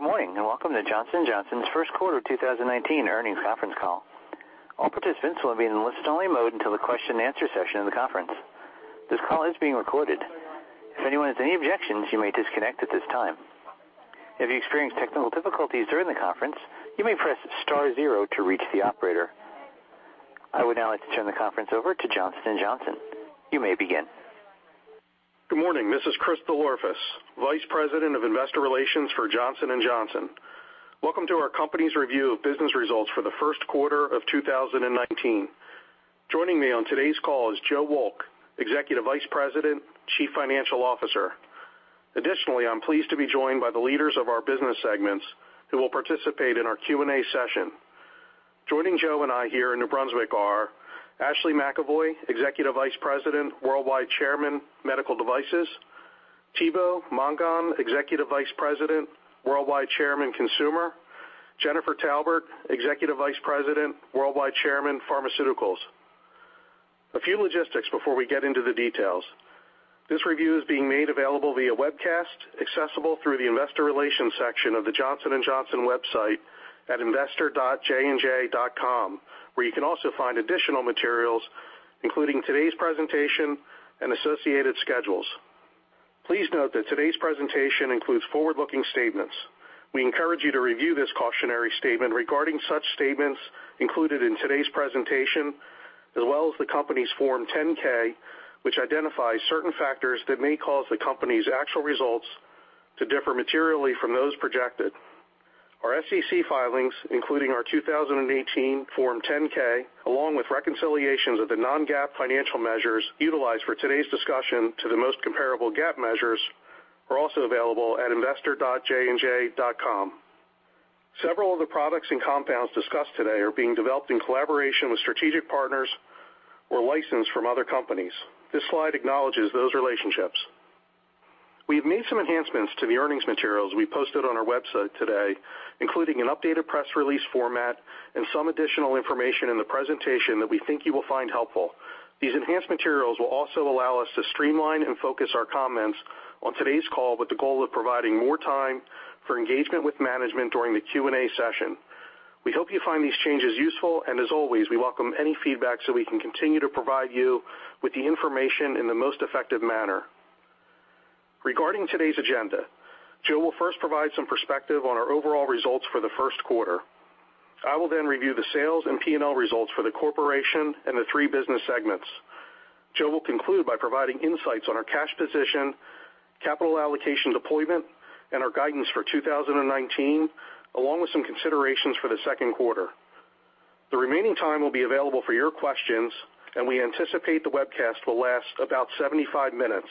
Good morning, welcome to Johnson & Johnson's first quarter 2019 earnings conference call. All participants will be in listen-only mode until the question and answer session of the conference. This call is being recorded. If anyone has any objections, you may disconnect at this time. If you experience technical difficulties during the conference, you may press star zero to reach the operator. I would now like to turn the conference over to Johnson & Johnson. You may begin. Good morning. This is Chris DelOrefice, Vice President of Investor Relations for Johnson & Johnson. Welcome to our company's review of business results for the first quarter of 2019. Joining me on today's call is Joseph Wolk, Executive Vice President, Chief Financial Officer. Additionally, I'm pleased to be joined by the leaders of our business segments who will participate in our Q&A session. Joining Joe and I here in New Brunswick are Ashley McEvoy, Executive Vice President, Worldwide Chairman, Medical Devices, Thibaut Mongon, Executive Vice President, Worldwide Chairman, Consumer, Jennifer Taubert, Executive Vice President, Worldwide Chairman, Pharmaceuticals. A few logistics before we get into the details. This review is being made available via webcast, accessible through the investor relations section of the Johnson & Johnson website at investor.jnj.com, where you can also find additional materials, including today's presentation and associated schedules. Please note that today's presentation includes forward-looking statements. We encourage you to review this cautionary statement regarding such statements included in today's presentation, as well as the company's Form 10-K, which identifies certain factors that may cause the company's actual results to differ materially from those projected. Our SEC filings, including our 2018 Form 10-K, along with reconciliations of the non-GAAP financial measures utilized for today's discussion to the most comparable GAAP measures, are also available at investor.jnj.com. Several of the products and compounds discussed today are being developed in collaboration with strategic partners or licensed from other companies. This slide acknowledges those relationships. We've made some enhancements to the earnings materials we posted on our website today, including an updated press release format and some additional information in the presentation that we think you will find helpful. These enhanced materials will also allow us to streamline and focus our comments on today's call with the goal of providing more time for engagement with management during the Q&A session. We hope you find these changes useful, as always, we welcome any feedback so we can continue to provide you with the information in the most effective manner. Regarding today's agenda, Joe will first provide some perspective on our overall results for the first quarter. I will then review the sales and P&L results for the corporation and the three business segments. Joe will conclude by providing insights on our cash position, capital allocation deployment, our guidance for 2019, along with some considerations for the second quarter. The remaining time will be available for your questions, we anticipate the webcast will last about 75 minutes.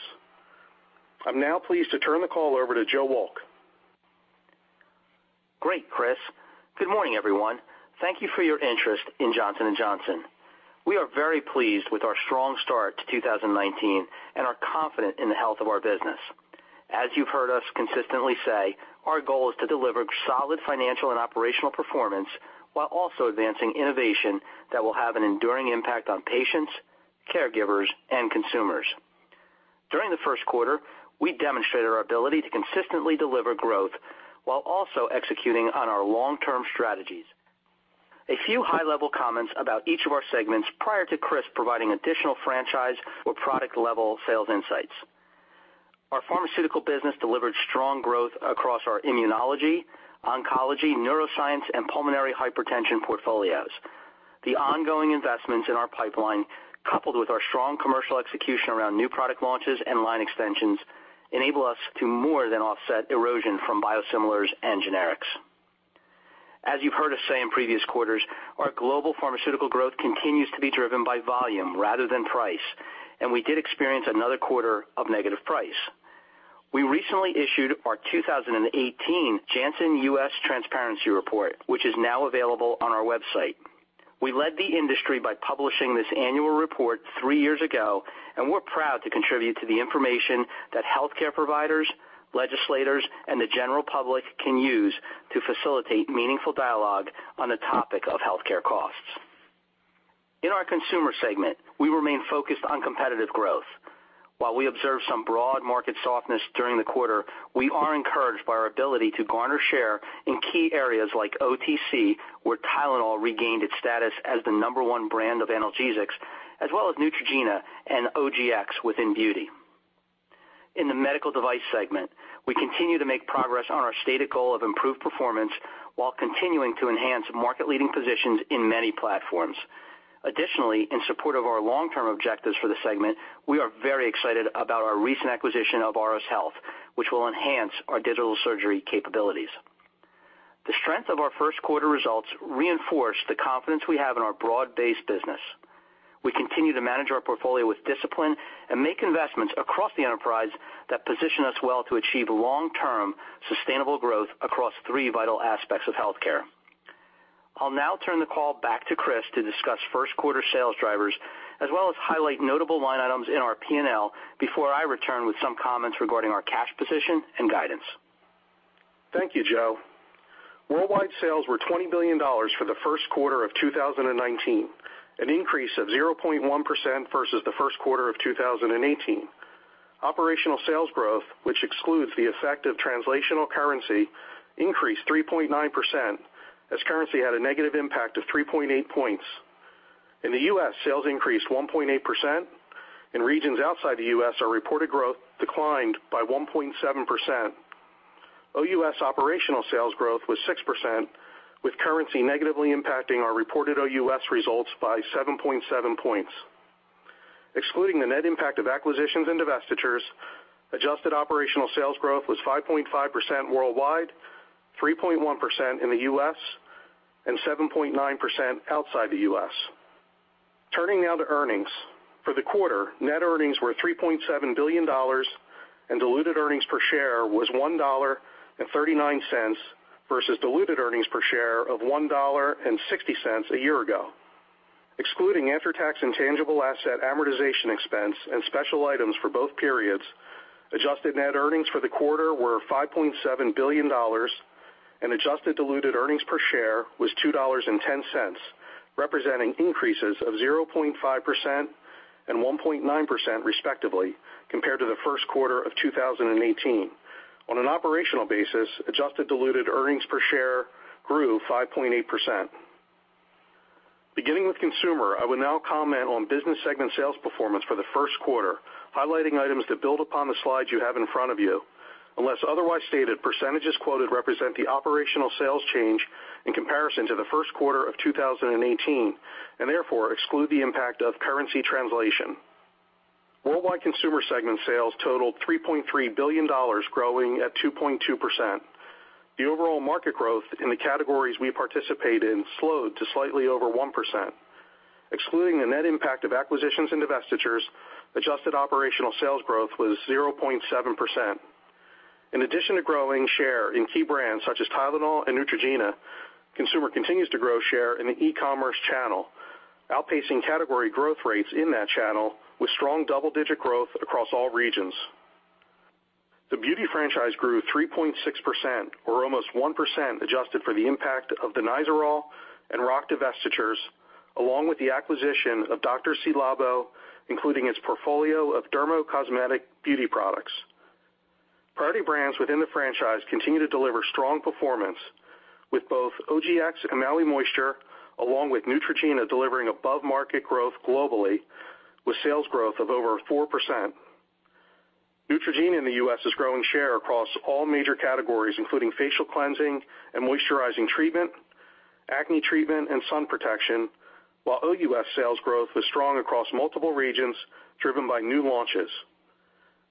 I'm now pleased to turn the call over to Joseph Wolk. Great, Chris. Good morning, everyone. Thank you for your interest in Johnson & Johnson. We are very pleased with our strong start to 2019 and are confident in the health of our business. As you've heard us consistently say, our goal is to deliver solid financial and operational performance while also advancing innovation that will have an enduring impact on patients, caregivers, and consumers. During the first quarter, we demonstrated our ability to consistently deliver growth while also executing on our long-term strategies. A few high-level comments about each of our segments prior to Chris providing additional franchise or product-level sales insights. Our pharmaceutical business delivered strong growth across our immunology, oncology, neuroscience, and pulmonary hypertension portfolios. The ongoing investments in our pipeline, coupled with our strong commercial execution around new product launches and line extensions, enable us to more than offset erosion from biosimilars and generics. As you've heard us say in previous quarters, our global pharmaceutical growth continues to be driven by volume rather than price. We did experience another quarter of negative price. We recently issued our 2018 Janssen U.S. Transparency Report, which is now available on our website. We led the industry by publishing this annual report three years ago, and we're proud to contribute to the information that healthcare providers, legislators, and the general public can use to facilitate meaningful dialogue on the topic of healthcare costs. In our Consumer segment, we remain focused on competitive growth. While we observed some broad market softness during the quarter, we are encouraged by our ability to garner share in key areas like OTC, where TYLENOL regained its status as the number one brand of analgesics, as well as Neutrogena and OGX within beauty. In the Medical Devices segment, we continue to make progress on our stated goal of improved performance while continuing to enhance market-leading positions in many platforms. In support of our long-term objectives for the segment, we are very excited about our recent acquisition of Auris Health, which will enhance our digital surgery capabilities. The strength of our first quarter results reinforce the confidence we have in our broad-based business. We continue to manage our portfolio with discipline and make investments across the enterprise that position us well to achieve long-term, sustainable growth across three vital aspects of healthcare. I'll now turn the call back to Chris to discuss first quarter sales drivers as well as highlight notable line items in our P&L before I return with some comments regarding our cash position and guidance. Thank you, Joe. Worldwide sales were $20 billion for the first quarter of 2019, an increase of 0.1% versus the first quarter of 2018. Operational sales growth, which excludes the effect of translational currency, increased 3.9%, as currency had a negative impact of 3.8 points. In the U.S., sales increased 1.8%. In regions outside the U.S., our reported growth declined by 1.7%. OUS operational sales growth was 6%, with currency negatively impacting our reported OUS results by 7.7 points. Excluding the net impact of acquisitions and divestitures, adjusted operational sales growth was 5.5% worldwide, 3.1% in the U.S., and 7.9% outside the U.S. Turning now to earnings. For the quarter, net earnings were $3.7 billion and diluted earnings per share was $1.39 versus diluted earnings per share of $1.60 a year ago. Excluding after-tax intangible asset amortization expense and special items for both periods, adjusted net earnings for the quarter were $5.7 billion, and adjusted diluted earnings per share was $2.10, representing increases of 0.5% and 1.9% respectively, compared to the first quarter of 2018. On an operational basis, adjusted diluted earnings per share grew 5.8%. Beginning with Consumer, I will now comment on business segment sales performance for the first quarter, highlighting items that build upon the slides you have in front of you. Unless otherwise stated, percentages quoted represent the operational sales change in comparison to the first quarter of 2018, and therefore exclude the impact of currency translation. Worldwide Consumer segment sales totaled $3.3 billion, growing at 2.2%. The overall market growth in the categories we participate in slowed to slightly over 1%. Excluding the net impact of acquisitions and divestitures, adjusted operational sales growth was 0.7%. In addition to growing share in key brands such as TYLENOL and Neutrogena, Consumer continues to grow share in the e-commerce channel, outpacing category growth rates in that channel with strong double-digit growth across all regions. The beauty franchise grew 3.6%, or almost 1% adjusted for the impact of the Nizoral and RoC divestitures, along with the acquisition of Dr.Ci:Labo, including its portfolio of dermocosmetic beauty products. Priority brands within the franchise continue to deliver strong performance with both OGX and Maui Moisture, along with Neutrogena delivering above-market growth globally, with sales growth of over 4%. Neutrogena in the U.S. is growing share across all major categories, including facial cleansing and moisturizing treatment, acne treatment, and sun protection, while OUS sales growth was strong across multiple regions, driven by new launches.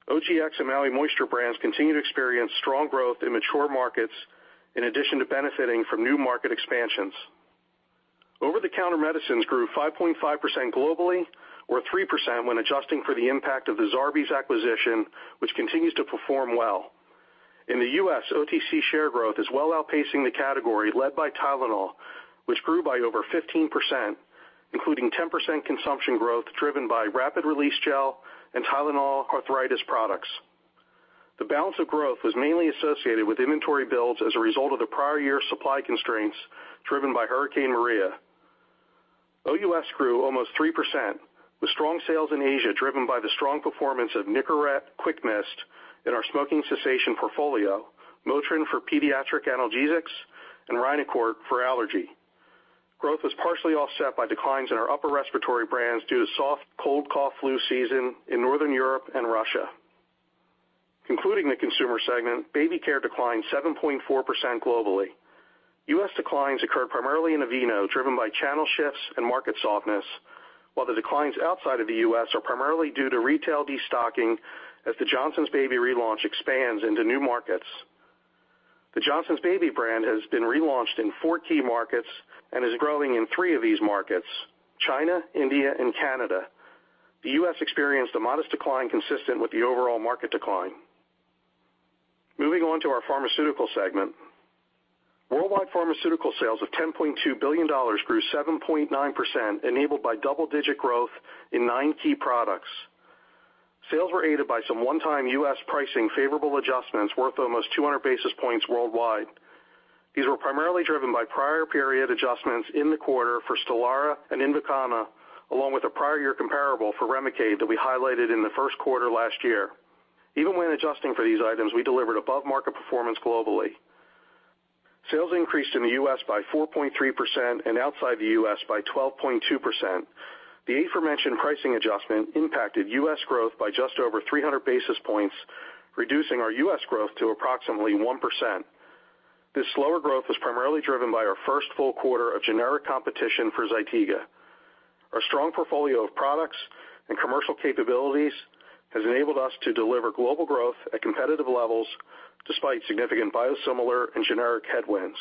OGX and Maui Moisture brands continue to experience strong growth in mature markets in addition to benefiting from new market expansions. Over-the-counter medicines grew 5.5% globally, or 3% when adjusting for the impact of the Zarbee's acquisition, which continues to perform well. In the U.S., OTC share growth is well outpacing the category led by TYLENOL, which grew by over 15%, including 10% consumption growth driven by rapid release gel and TYLENOL arthritis products. The balance of growth was mainly associated with inventory builds as a result of the prior year supply constraints driven by Hurricane Maria. OUS grew almost 3%, with strong sales in Asia driven by the strong performance of Nicorette QuickMist in our smoking cessation portfolio, MOTRIN for pediatric analgesics, and RHINOCORT for allergy. Growth was partially offset by declines in our upper respiratory brands due to soft cold cough flu season in Northern Europe and Russia. Concluding the Consumer segment, baby care declined 7.4% globally. U.S. declines occurred primarily in Aveeno, driven by channel shifts and market softness, while the declines outside of the U.S. are primarily due to retail destocking as the Johnson's Baby relaunch expands into new markets. The Johnson's Baby brand has been relaunched in four key markets and is growing in three of these markets, China, India, and Canada. The U.S. experienced a modest decline consistent with the overall market decline. Moving on to our Pharmaceutical segment. Worldwide Pharmaceutical sales of $10.2 billion grew 7.9%, enabled by double-digit growth in nine key products. Sales were aided by some one-time U.S. pricing favorable adjustments worth almost 200 basis points worldwide. These were primarily driven by prior period adjustments in the quarter for STELARA and INVOKANA, along with a prior year comparable for REMICADE that we highlighted in the first quarter last year. Even when adjusting for these items, we delivered above-market performance globally. Sales increased in the U.S. by 4.3% and outside the U.S. by 12.2%. The aforementioned pricing adjustment impacted U.S. growth by just over 300 basis points, reducing our U.S. growth to approximately 1%. This slower growth was primarily driven by our first full quarter of generic competition for ZYTIGA. Our strong portfolio of products and commercial capabilities has enabled us to deliver global growth at competitive levels despite significant biosimilar and generic headwinds.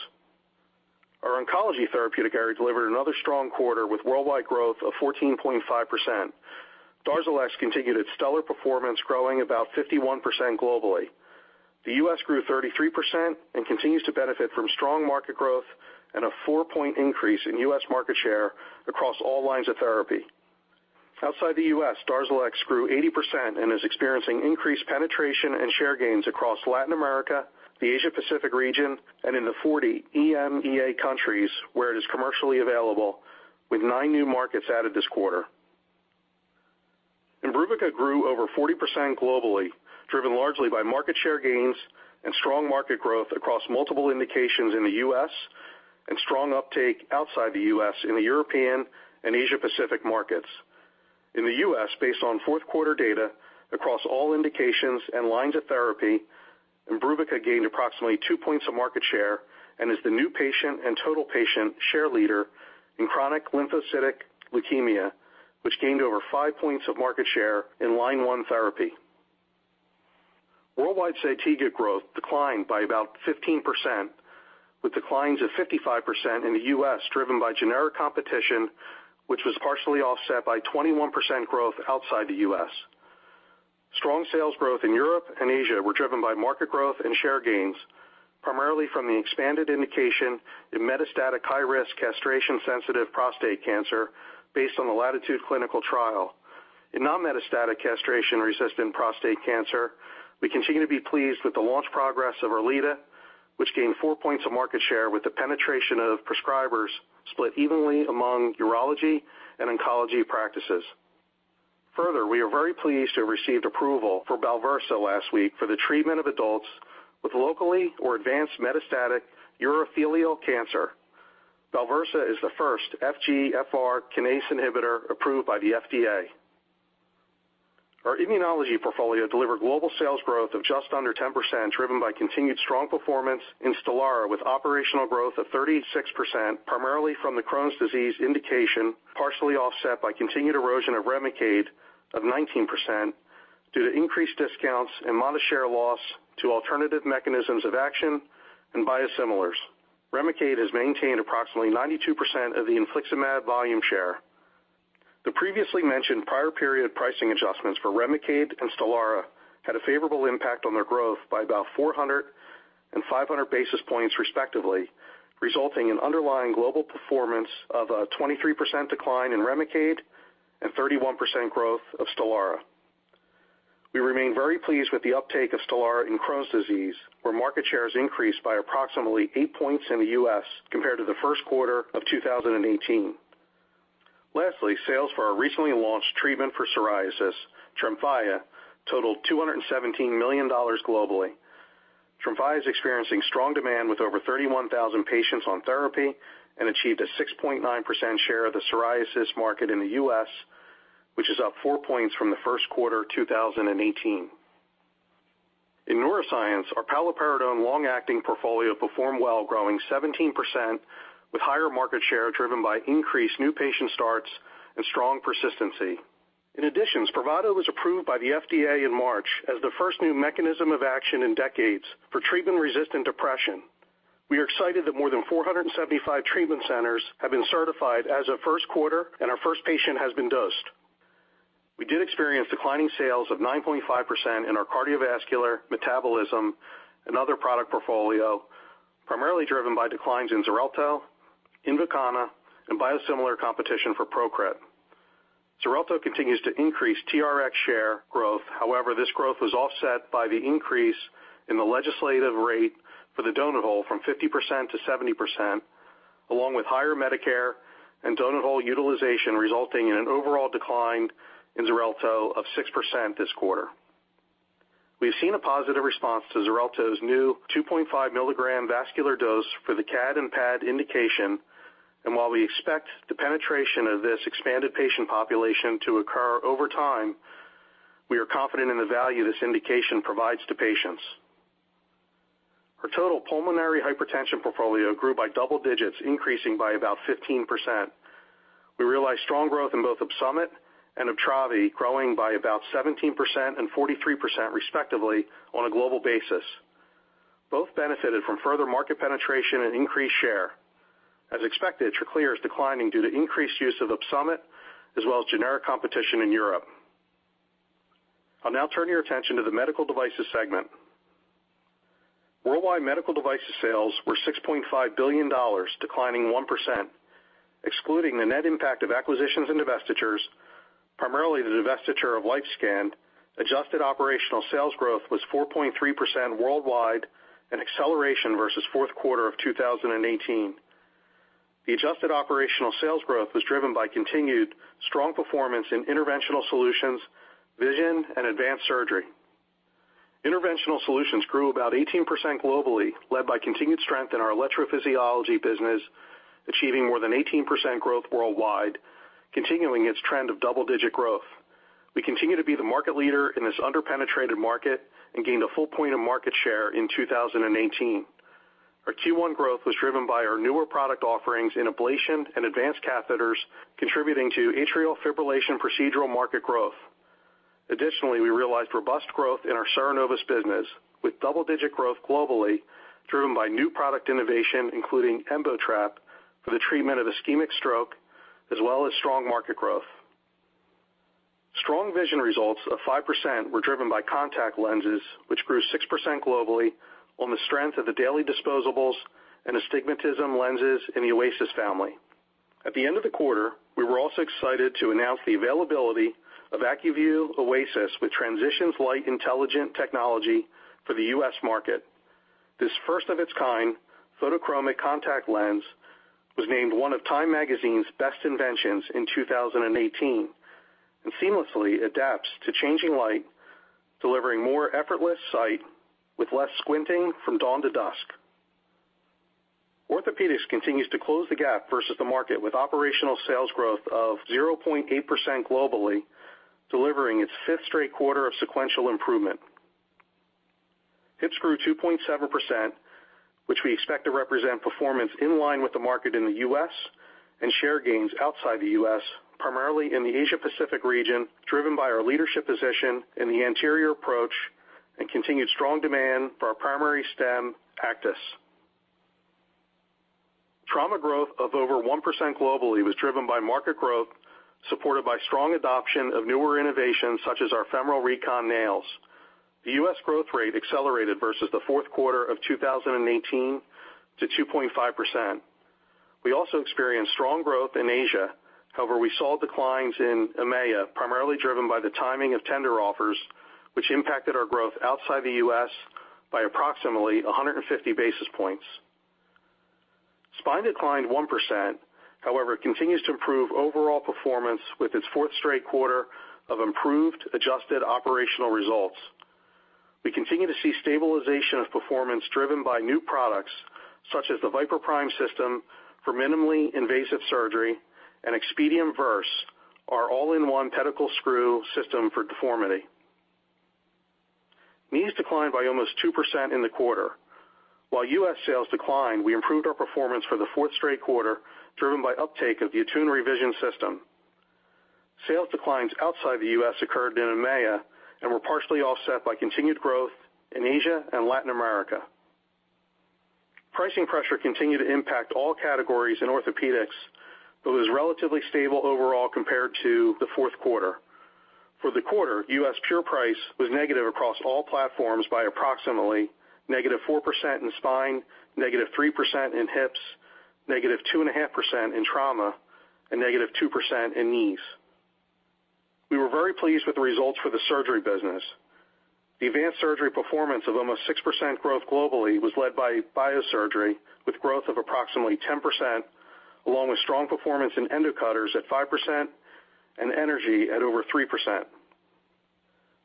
Our oncology therapeutic area delivered another strong quarter with worldwide growth of 14.5%. DARZALEX continued its stellar performance, growing about 51% globally. The U.S. grew 33% and continues to benefit from strong market growth. A four-point increase in U.S. market share across all lines of therapy. Outside the U.S., DARZALEX grew 80% and is experiencing increased penetration and share gains across Latin America, the Asia Pacific region, and in the 40 EMEA countries where it is commercially available, with nine new markets added this quarter. IMBRUVICA grew over 40% globally, driven largely by market share gains and strong market growth across multiple indications in the U.S., and strong uptake outside the U.S. in the European and Asia Pacific markets. In the U.S., based on fourth quarter data across all indications and lines of therapy, IMBRUVICA gained approximately two points of market share and is the new patient and total patient share leader in chronic lymphocytic leukemia, which gained over five points of market share in line 1 therapy. Worldwide ZYTIGA growth declined by about 15%, with declines of 55% in the U.S. driven by generic competition, which was partially offset by 21% growth outside the U.S. Strong sales growth in Europe and Asia were driven by market growth and share gains, primarily from the expanded indication in metastatic high-risk castration sensitive prostate cancer based on the LATITUDE clinical trial. In non-metastatic castration resistant prostate cancer, we continue to be pleased with the launch progress of ERLEADA, which gained four points of market share with the penetration of prescribers split evenly among urology and oncology practices. Further, we are very pleased to have received approval for BALVERSA last week for the treatment of adults with locally or advanced metastatic urothelial cancer. BALVERSA is the first FGFR kinase inhibitor approved by the FDA. Our immunology portfolio delivered global sales growth of just under 10%, driven by continued strong performance in STELARA with operational growth of 36%, primarily from the Crohn's disease indication, partially offset by continued erosion of REMICADE of 19%, due to increased discounts and mono share loss to alternative mechanisms of action and biosimilars. REMICADE has maintained approximately 92% of the infliximab volume share. The previously mentioned prior period pricing adjustments for REMICADE and STELARA had a favorable impact on their growth by about 400 and 500 basis points respectively, resulting in underlying global performance of a 23% decline in REMICADE and 31% growth of STELARA. We remain very pleased with the uptake of STELARA in Crohn's disease, where market share has increased by approximately eight points in the U.S. compared to the first quarter of 2018. Lastly, sales for our recently launched treatment for psoriasis, TREMFYA, totaled $217 million globally. TREMFYA is experiencing strong demand with over 31,000 patients on therapy and achieved a 6.9% share of the psoriasis market in the U.S., which is up four points from the first quarter 2018. In neuroscience, our paliperidone long-acting portfolio performed well, growing 17% with higher market share driven by increased new patient starts and strong persistency. In addition, SPRAVATO was approved by the FDA in March as the first new mechanism of action in decades for treatment-resistant depression. We are excited that more than 475 treatment centers have been certified as of first quarter, and our first patient has been dosed. We did experience declining sales of 9.5% in our cardiovascular, metabolism, and other product portfolio, primarily driven by declines in XARELTO, INVOKANA, and biosimilar competition for PROCRIT. XARELTO continues to increase TRX share growth. This growth was offset by the increase in the legislative rate for the donut hole from 50%-70%, along with higher Medicare and donut hole utilization, resulting in an overall decline in XARELTO of 6% this quarter. We've seen a positive response to XARELTO's new 2.5 milligram vascular dose for the CAD and PAD indication, and while we expect the penetration of this expanded patient population to occur over time, we are confident in the value this indication provides to patients. Our total pulmonary hypertension portfolio grew by double digits, increasing by about 15%. We realized strong growth in both Opsumit and Uptravi, growing by about 17% and 43% respectively on a global basis. Both benefited from further market penetration and increased share. As expected, TRACLEER is declining due to increased use of Opsumit, as well as generic competition in Europe. I'll now turn your attention to the medical devices segment. Worldwide medical devices sales were $6.5 billion, declining 1%. Excluding the net impact of acquisitions and divestitures, primarily the divestiture of LifeScan, adjusted operational sales growth was 4.3% worldwide, an acceleration versus fourth quarter of 2018. The adjusted operational sales growth was driven by continued strong performance in interventional solutions, Vision, and advanced surgery. Interventional solutions grew about 18% globally, led by continued strength in our electrophysiology business, achieving more than 18% growth worldwide, continuing its trend of double-digit growth. We continue to be the market leader in this under-penetrated market and gained a full point of market share in 2018. Our Q1 growth was driven by our newer product offerings in ablation and advanced catheters, contributing to atrial fibrillation procedural market growth. We realized robust growth in our Cerenovus business, with double-digit growth globally driven by new product innovation, including EMBOTRAP for the treatment of ischemic stroke, as well as strong market growth. Strong Vision results of 5% were driven by contact lenses, which grew 6% globally on the strength of the daily disposables and astigmatism lenses in the ACUVUE OASYS family. At the end of the quarter, we were also excited to announce the availability of ACUVUE OASYS with Transitions Light Intelligent Technology for the U.S. market. This first-of-its-kind photochromic contact lens was named one of Time Magazine's best inventions in 2018, and seamlessly adapts to changing light, delivering more effortless sight with less squinting from dawn to dusk. Orthopedics continues to close the gap versus the market with operational sales growth of 0.8% globally, delivering its fifth straight quarter of sequential improvement. Hips grew 2.7%, which we expect to represent performance in line with the market in the U.S. and share gains outside the U.S., primarily in the Asia Pacific region, driven by our leadership position in the anterior approach and continued strong demand for our primary stem ACTIS. Trauma growth of over 1% globally was driven by market growth, supported by strong adoption of newer innovations such as our femoral Recon nails. The U.S. growth rate accelerated versus the fourth quarter of 2018 to 2.5%. We also experienced strong growth in Asia. We saw declines in EMEA, primarily driven by the timing of tender offers, which impacted our growth outside the U.S. by approximately 150 basis points. Spine declined 1%, however, it continues to improve overall performance with its fourth straight quarter of improved adjusted operational results. We continue to see stabilization of performance driven by new products such as the VIPER PRIME system for minimally invasive surgery and EXPEDIUM VERSE, our all-in-one pedicle screw system for deformity. Knees declined by almost 2% in the quarter. While U.S. sales declined, we improved our performance for the fourth straight quarter, driven by uptake of the ATTUNE Revision Knee System. Sales declines outside the U.S. occurred in EMEA and were partially offset by continued growth in Asia and Latin America. Pricing pressure continued to impact all categories in orthopedics, but was relatively stable overall compared to the fourth quarter. For the quarter, U.S. pure price was negative across all platforms by approximately -4% in spine, -3% in hips, -2.5% in trauma, and -2% in knees. We were very pleased with the results for the surgery business. The advanced surgery performance of almost 6% growth globally was led by biosurgery with growth of approximately 10%, along with strong performance in endocutters at 5% and energy at over 3%.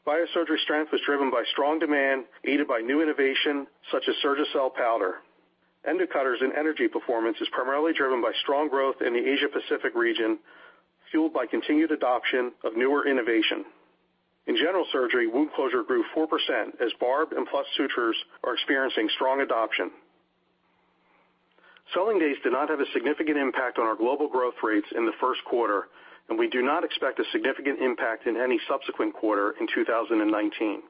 Biosurgery strength was driven by strong demand aided by new innovation such as SURGICEL powder. Endocutters and energy performance is primarily driven by strong growth in the Asia Pacific region, fueled by continued adoption of newer innovation. In general surgery, wound closure grew 4% as barbed and plus sutures are experiencing strong adoption. Selling days did not have a significant impact on our global growth rates in the first quarter, and we do not expect a significant impact in any subsequent quarter in 2019.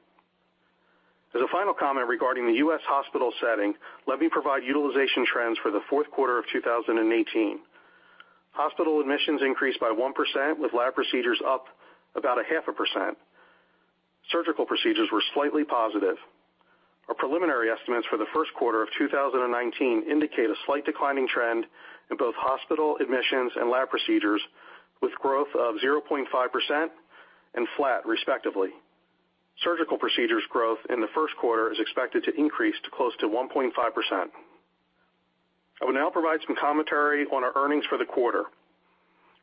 As a final comment regarding the U.S. hospital setting, let me provide utilization trends for the fourth quarter of 2018. Hospital admissions increased by 1%, with lab procedures up about a half a percent. Surgical procedures were slightly positive. Our preliminary estimates for the first quarter of 2019 indicate a slight declining trend in both hospital admissions and lab procedures, with growth of 0.5% and flat, respectively. Surgical procedures growth in the first quarter is expected to increase to close to 1.5%. I will now provide some commentary on our earnings for the quarter.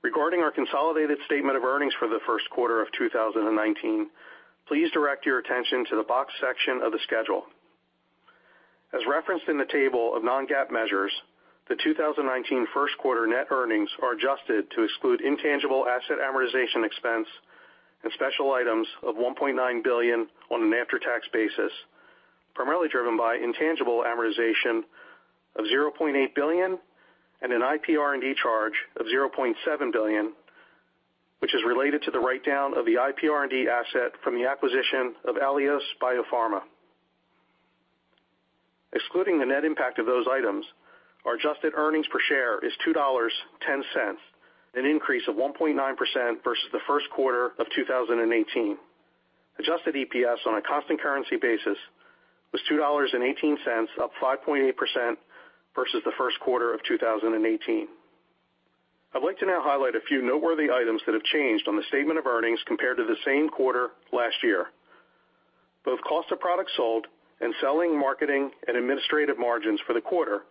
Regarding our consolidated statement of earnings for the first quarter of 2019, please direct your attention to the box section of the schedule. As referenced in the table of non-GAAP measures, the 2019 first quarter net earnings are adjusted to exclude intangible asset amortization expense and special items of $1.9 billion on an after-tax basis, primarily driven by intangible amortization of $0.8 billion and an IPR&D charge of $0.7 billion, which is related to the write-down of the IPR&D asset from the acquisition of Alios BioPharma. Excluding the net impact of those items, our adjusted earnings per share is $2.10, an increase of 1.9% versus the first quarter of 2018. Adjusted EPS on a constant currency basis was $2.18, up 5.8% versus the first quarter of 2018. I'd like to now highlight a few noteworthy items that have changed on the statement of earnings compared to the same quarter last year. Both cost of products sold and selling, marketing, and administrative margins for the quarter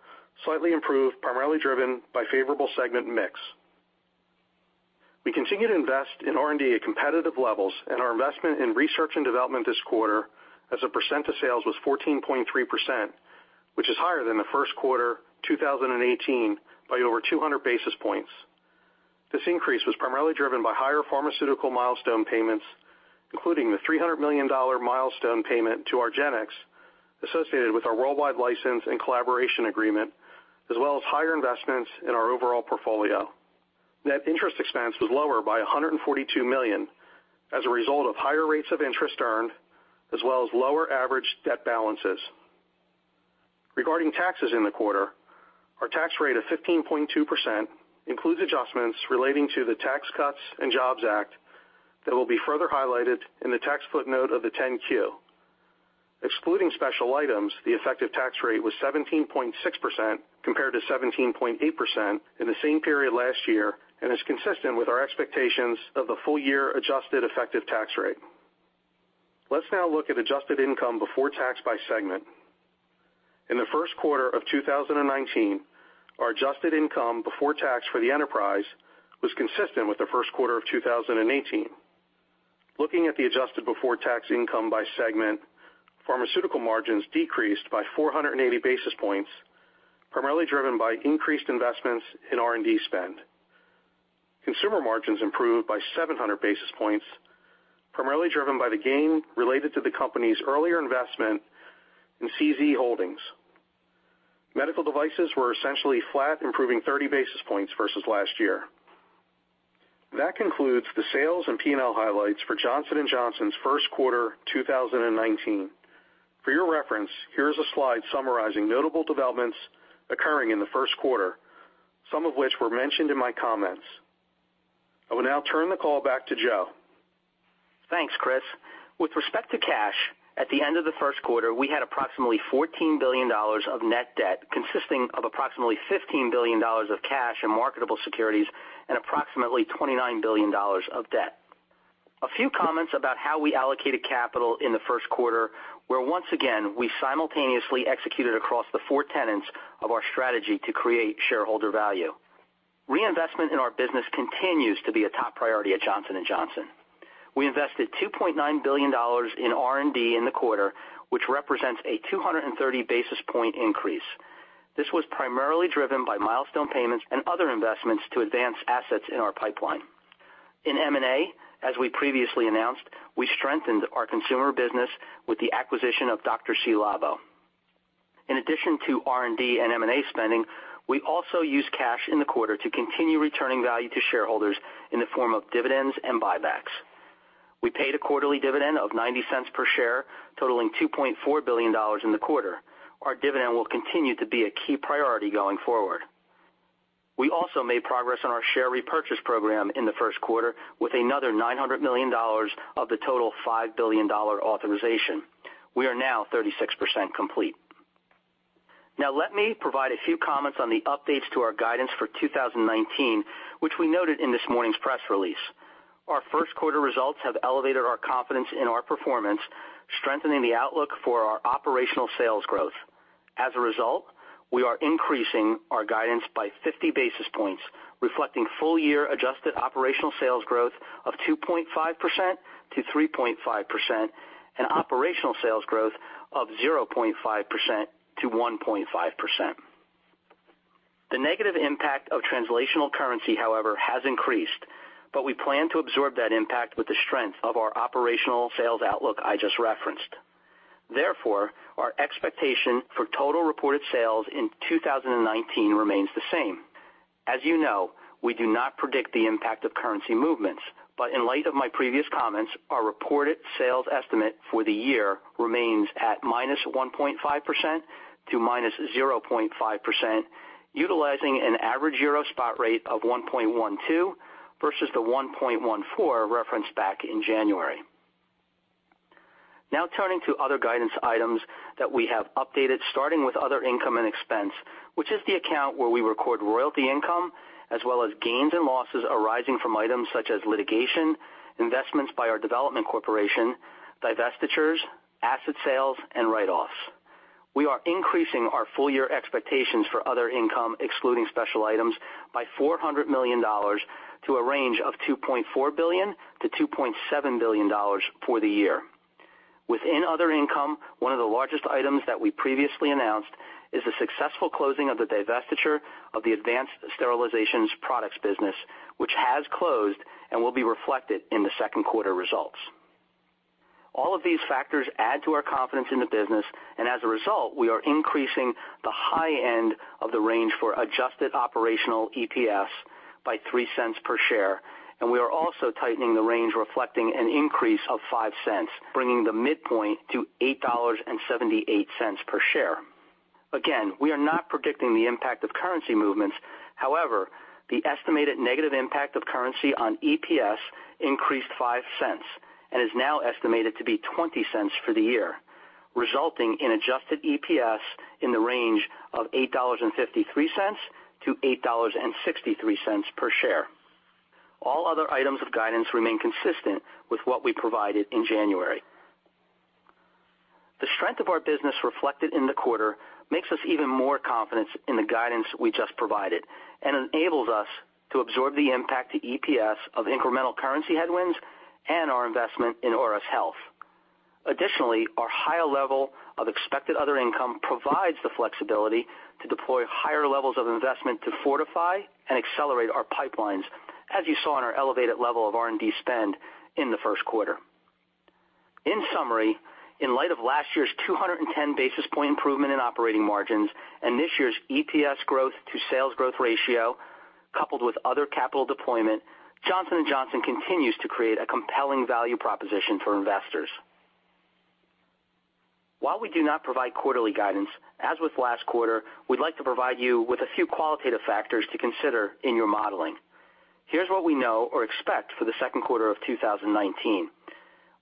slightly improved, primarily driven by favorable segment mix. We continue to invest in R&D at competitive levels. Our investment in research and development this quarter as a percent of sales was 14.3%, which is higher than the first quarter 2018 by over 200 basis points. This increase was primarily driven by higher pharmaceutical milestone payments, including the $300 million milestone payment to argenx associated with our worldwide license and collaboration agreement, as well as higher investments in our overall portfolio. Net interest expense was lower by $142 million as a result of higher rates of interest earned, as well as lower average debt balances. Regarding taxes in the quarter, our tax rate of 15.2% includes adjustments relating to the Tax Cuts and Jobs Act that will be further highlighted in the tax footnote of the 10-Q. Excluding special items, the effective tax rate was 17.6% compared to 17.8% in the same period last year, is consistent with our expectations of the full year adjusted effective tax rate. Let's now look at adjusted income before tax by segment. In the first quarter of 2019, our adjusted income before tax for the enterprise was consistent with the first quarter of 2018. Looking at the adjusted before tax income by segment, pharmaceutical margins decreased by 480 basis points, primarily driven by increased investments in R&D spend. Consumer margins improved by 700 basis points, primarily driven by the gain related to the company's earlier investment in Ci:z Holdings. Medical devices were essentially flat, improving 30 basis points versus last year. That concludes the sales and P&L highlights for Johnson & Johnson's first quarter 2019. For your reference, here is a slide summarizing notable developments occurring in the first quarter, some of which were mentioned in my comments. I will now turn the call back to Joe. Thanks, Chris. With respect to cash, at the end of the first quarter, we had approximately $14 billion of net debt, consisting of approximately $15 billion of cash and marketable securities and approximately $29 billion of debt. A few comments about how we allocated capital in the first quarter, where once again, we simultaneously executed across the four tenets of our strategy to create shareholder value. Reinvestment in our business continues to be a top priority at Johnson & Johnson. We invested $2.9 billion in R&D in the quarter, which represents a 230 basis point increase. This was primarily driven by milestone payments and other investments to advance assets in our pipeline. In M&A, as we previously announced, we strengthened our consumer business with the acquisition of Dr.Ci:Labo. In addition to R&D and M&A spending, we also used cash in the quarter to continue returning value to shareholders in the form of dividends and buybacks. We paid a quarterly dividend of $0.90 per share, totaling $2.4 billion in the quarter. Our dividend will continue to be a key priority going forward. We also made progress on our share repurchase program in the first quarter with another $900 million of the total $5 billion authorization. We are now 36% complete. Let me provide a few comments on the updates to our guidance for 2019, which we noted in this morning's press release. Our first quarter results have elevated our confidence in our performance, strengthening the outlook for our operational sales growth. We are increasing our guidance by 50 basis points, reflecting full year adjusted operational sales growth of 2.5%-3.5% and operational sales growth of 0.5%-1.5%. The negative impact of translational currency, however, has increased, we plan to absorb that impact with the strength of our operational sales outlook I just referenced. Our expectation for total reported sales in 2019 remains the same. As you know, we do not predict the impact of currency movements. In light of my previous comments, our reported sales estimate for the year remains at -1.5% to -0.5%, utilizing an average euro spot rate of 1.12 versus the 1.14 referenced back in January. Turning to other guidance items that we have updated, starting with other income and expense, which is the account where we record royalty income, as well as gains and losses arising from items such as litigation, investments by our development corporation, divestitures, asset sales, and write-offs. We are increasing our full year expectations for other income, excluding special items, by $400 million to a range of $2.4 billion-$2.7 billion for the year. Within other income, one of the largest items that we previously announced is the successful closing of the divestiture of the Advanced Sterilization Products business, which has closed and will be reflected in the second quarter results. All of these factors add to our confidence in the business, as a result, we are increasing the high end of the range for adjusted operational EPS by $0.03 per share, we are also tightening the range reflecting an increase of $0.05, bringing the midpoint to $8.78 per share. We are not predicting the impact of currency movements. The estimated negative impact of currency on EPS increased $0.05 and is now estimated to be $0.20 for the year, resulting in adjusted EPS in the range of $8.53-$8.63 per share. All other items of guidance remain consistent with what we provided in January. The strength of our business reflected in the quarter makes us even more confident in the guidance we just provided and enables us to absorb the impact to EPS of incremental currency headwinds and our investment in Auris Health. Additionally, our higher level of expected other income provides the flexibility to deploy higher levels of investment to fortify and accelerate our pipelines, as you saw in our elevated level of R&D spend in the first quarter. In summary, in light of last year's 210 basis points improvement in operating margins and this year's EPS growth to sales growth ratio. Coupled with other capital deployment, Johnson & Johnson continues to create a compelling value proposition for investors. While we do not provide quarterly guidance, as with last quarter, we'd like to provide you with a few qualitative factors to consider in your modeling. Here's what we know or expect for the second quarter of 2019.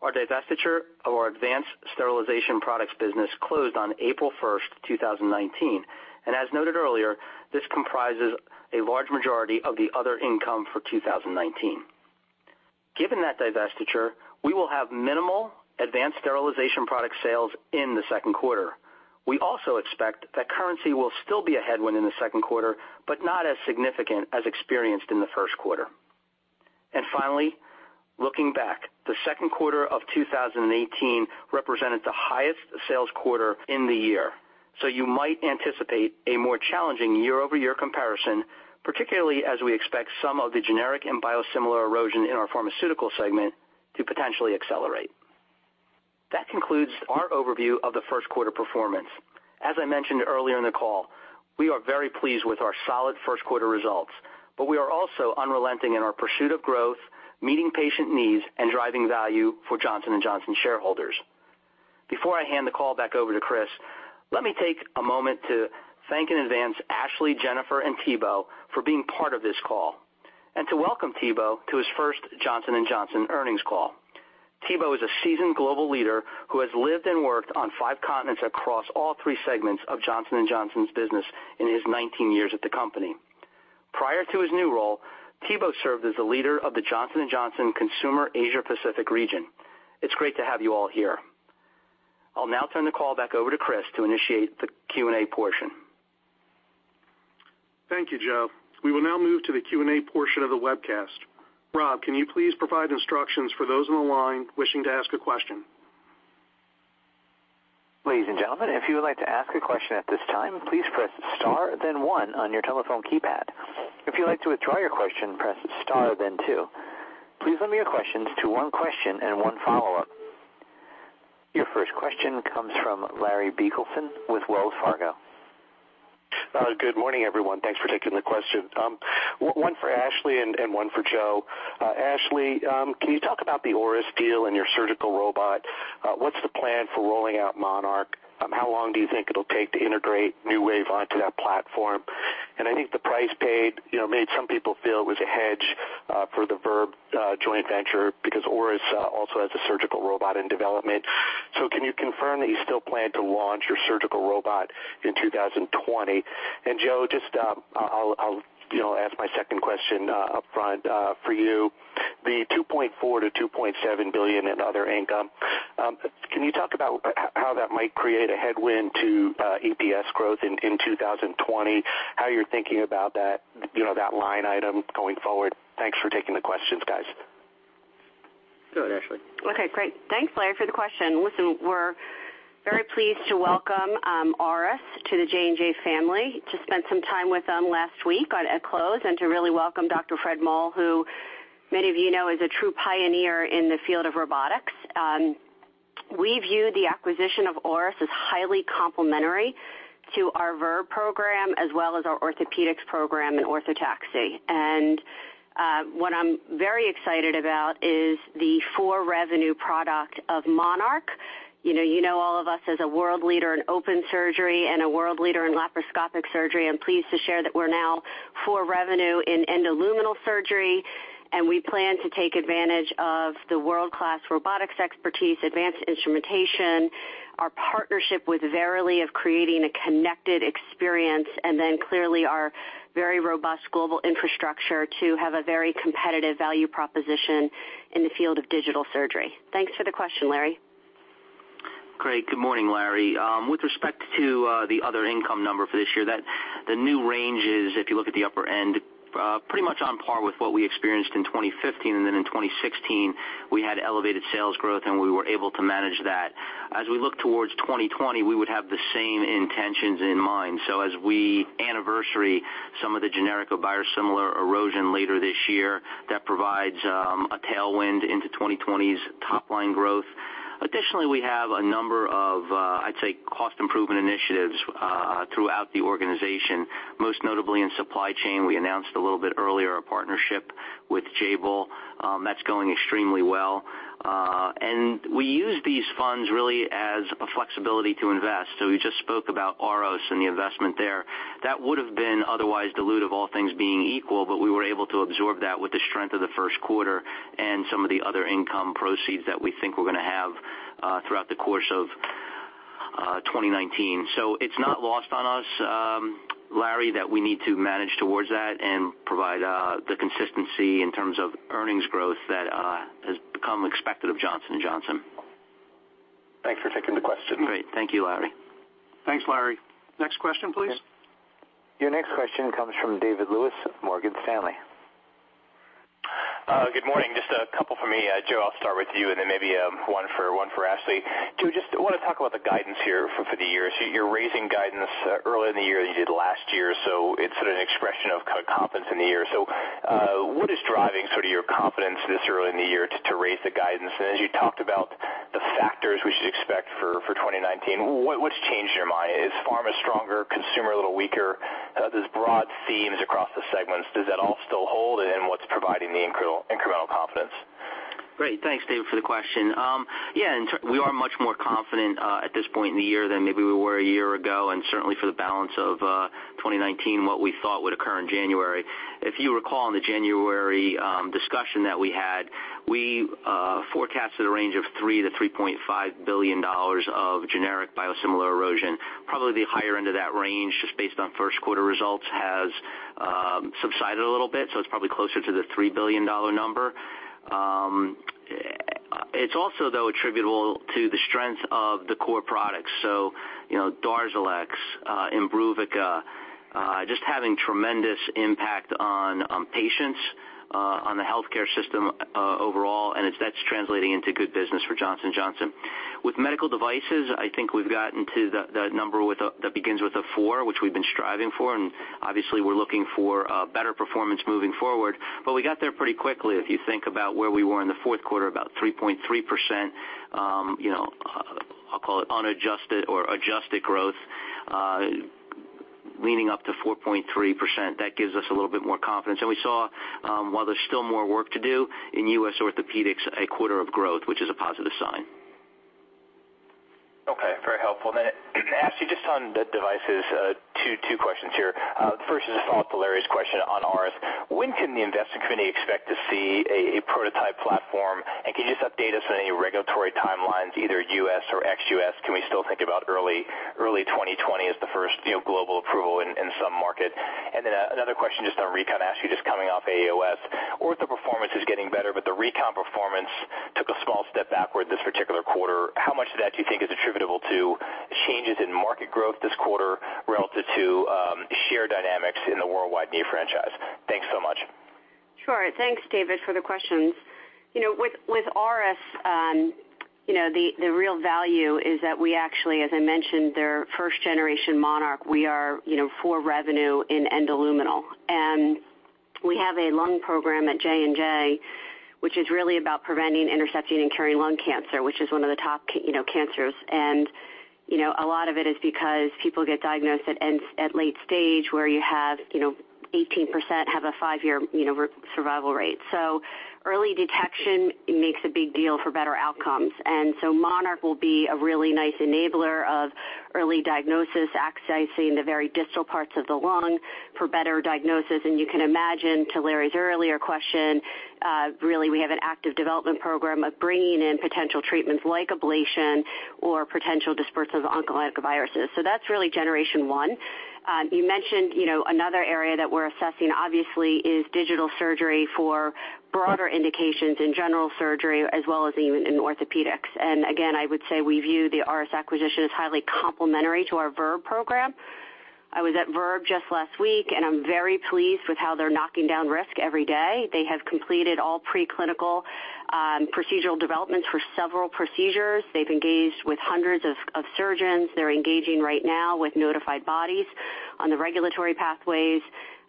Our divestiture of our Advanced Sterilization Products business closed on April 1st, 2019, and as noted earlier, this comprises a large majority of the other income for 2019. Given that divestiture, we will have minimal Advanced Sterilization Products sales in the second quarter. We also expect that currency will still be a headwind in the second quarter, but not as significant as experienced in the first quarter. Finally, looking back, the second quarter of 2018 represented the highest sales quarter in the year. You might anticipate a more challenging year-over-year comparison, particularly as we expect some of the generic and biosimilar erosion in our pharmaceutical segment to potentially accelerate. That concludes our overview of the first quarter performance. As I mentioned earlier in the call, we are very pleased with our solid first quarter results, but we are also unrelenting in our pursuit of growth, meeting patient needs, and driving value for Johnson & Johnson shareholders. Before I hand the call back over to Chris, let me take a moment to thank in advance Ashley, Jennifer, and Thibault for being part of this call, and to welcome Thibault to his first Johnson & Johnson earnings call. Thibault is a seasoned global leader who has lived and worked on five continents across all three segments of Johnson & Johnson's business in his 19 years at the company. Prior to his new role, Thibault served as the leader of the Johnson & Johnson Consumer Asia Pacific region. It's great to have you all here. I'll now turn the call back over to Chris to initiate the Q&A portion. Thank you, Joe. We will now move to the Q&A portion of the webcast. Rob, can you please provide instructions for those on the line wishing to ask a question? Ladies and gentlemen, if you would like to ask a question at this time, please press star then one on your telephone keypad. If you'd like to withdraw your question, press star then two. Please limit your questions to one question and one follow-up. Your first question comes from Larry Biegelsen with Wells Fargo. Good morning, everyone. Thanks for taking the question. One for Ashley and one for Joe. Ashley, can you talk about the Auris deal and your surgical robot? What's the plan for rolling out Monarch? How long do you think it'll take to integrate NeuWave onto that platform? I think the price paid made some people feel it was a hedge for the Verb joint venture because Auris also has a surgical robot in development. Can you confirm that you still plan to launch your surgical robot in 2020? Joe, I'll ask my second question upfront for you. The $2.4 billion-$2.7 billion in other income, can you talk about how that might create a headwind to EPS growth in 2020? How you're thinking about that line item going forward. Thanks for taking the questions, guys. Go ahead, Ashley. Okay, great. Thanks, Larry, for the question. Listen, we're very pleased to welcome Auris to the J&J family, to spend some time with them last week at close, and to really welcome Dr. Fred Moll, who many of you know is a true pioneer in the field of robotics. We view the acquisition of Auris as highly complementary to our Verb program, as well as our orthopedics program and Orthotaxy. What I'm very excited about is the for-revenue product of Monarch. You know all of us as a world leader in open surgery and a world leader in laparoscopic surgery. I'm pleased to share that we're now for revenue in endoluminal surgery, and we plan to take advantage of the world-class robotics expertise, advanced instrumentation, our partnership with Verily of creating a connected experience, then clearly our very robust global infrastructure to have a very competitive value proposition in the field of digital surgery. Thanks for the question, Larry. Great. Good morning, Larry. With respect to the other income number for this year, the new range is, if you look at the upper end, pretty much on par with what we experienced in 2015. Then in 2016, we had elevated sales growth, and we were able to manage that. As we look towards 2020, we would have the same intentions in mind. As we anniversary some of the generic or biosimilar erosion later this year, that provides a tailwind into 2020's top-line growth. Additionally, we have a number of, I'd say, cost improvement initiatives throughout the organization, most notably in supply chain. We announced a little bit earlier a partnership with Jabil. That's going extremely well. We use these funds really as a flexibility to invest. We just spoke about Auris and the investment there. That would have been otherwise dilutive, all things being equal, but we were able to absorb that with the strength of the first quarter and some of the other income proceeds that we think we're going to have throughout the course of 2019. It's not lost on us, Larry, that we need to manage towards that and provide the consistency in terms of earnings growth that has become expected of Johnson & Johnson. Thanks for taking the question. Great. Thank you, Larry. Thanks, Larry. Next question, please. Your next question comes from David Lewis, Morgan Stanley. Good morning. Just a couple from me. Joe, I'll start with you and then maybe one for Ashley. Joe, just want to talk about the guidance here for the year. You're raising guidance earlier in the year than you did last year. It's an expression of confidence in the year. What is driving your confidence this early in the year to raise the guidance? As you talked about the factors we should expect for 2019, what's changed in your mind? Is pharma stronger, consumer a little weaker? There's broad themes across the segments. Does that all still hold? What's providing the incremental confidence? Great. Thanks, David, for the question. We are much more confident at this point in the year than maybe we were a year ago, and certainly for the balance of 2019, what we thought would occur in January. If you recall, in the January discussion that we had, we forecasted a range of $3 billion-$3.5 billion of generic biosimilar erosion. Probably the higher end of that range, just based on first quarter results, has subsided a little bit, so it's probably closer to the $3 billion number. It's also, though, attributable to the strength of the core products. DARZALEX, IMBRUVICA, just having tremendous impact on patients, on the healthcare system overall, and that's translating into good business for Johnson & Johnson. With medical devices, I think we've gotten to the number that begins with a four, which we've been striving for, and obviously, we're looking for better performance moving forward. We got there pretty quickly, if you think about where we were in the fourth quarter, about 3.3%, I'll call it unadjusted or adjusted growth, leading up to 4.3%. That gives us a little bit more confidence. We saw, while there's still more work to do, in U.S. orthopedics, a quarter of growth, which is a positive sign. Okay. Very helpful. Can I ask you just on the devices, two questions here. The first is just to follow up to Larry's question on Auris. When can the investing community expect to see a prototype platform? Can you just update us on any regulatory timelines, either U.S. or ex-U.S.? Can we still think about early 2020 as the first global approval in some market? Another question just on RECON. I ask you just coming off AAOS. Ortho performance is getting better, but the RECON performance took a small step backward this particular quarter. How much of that do you think is attributable to changes in market growth this quarter relative to share dynamics in the worldwide knee franchise? Thanks so much. Sure. Thanks, David, for the questions. With Auris, the real value is that we actually, as I mentioned, their first-generation Monarch, we are for revenue in endoluminal. We have a lung program at J&J, which is really about preventing, intercepting, and curing lung cancer, which is one of the top cancers. A lot of it is because people get diagnosed at late stage where you have 18% have a five-year survival rate. Early detection makes a big deal for better outcomes. Monarch will be a really nice enabler of early diagnosis, accessing the very distal parts of the lung for better diagnosis. You can imagine, to Larry's earlier question, really, we have an active development program of bringing in potential treatments like ablation or potential dispersive oncolytic viruses. That's really generation one. You mentioned another area that we're assessing, obviously, is digital surgery for broader indications in general surgery as well as even in orthopedics. Again, I would say we view the Auris acquisition as highly complementary to our Verb program. I was at Verb just last week, and I'm very pleased with how they're knocking down risk every day. They have completed all pre-clinical procedural developments for several procedures. They've engaged with hundreds of surgeons. They're engaging right now with notified bodies on the regulatory pathways.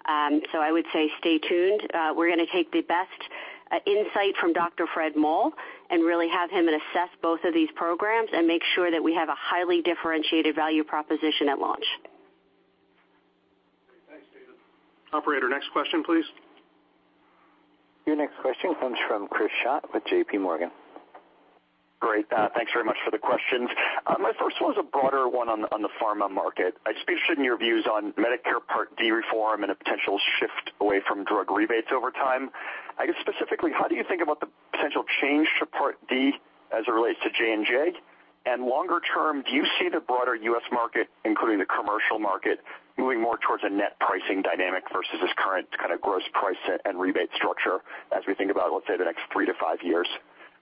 I would say stay tuned. We're going to take the best insight from Dr. Fred Moll and really have him assess both of these programs and make sure that we have a highly differentiated value proposition at launch. Great. Thanks, David. Operator, next question, please. Your next question comes from Chris Schott with JPMorgan. Great. Thanks very much for the questions. My first one is a broader one on the pharma market. I'd be interested in your views on Medicare Part D reform and a potential shift away from drug rebates over time. I guess specifically, how do you think about the potential change to Part D as it relates to J&J? Longer term, do you see the broader U.S. market, including the commercial market, moving more towards a net pricing dynamic versus this current kind of gross price and rebate structure as we think about, let's say, the next three to five years?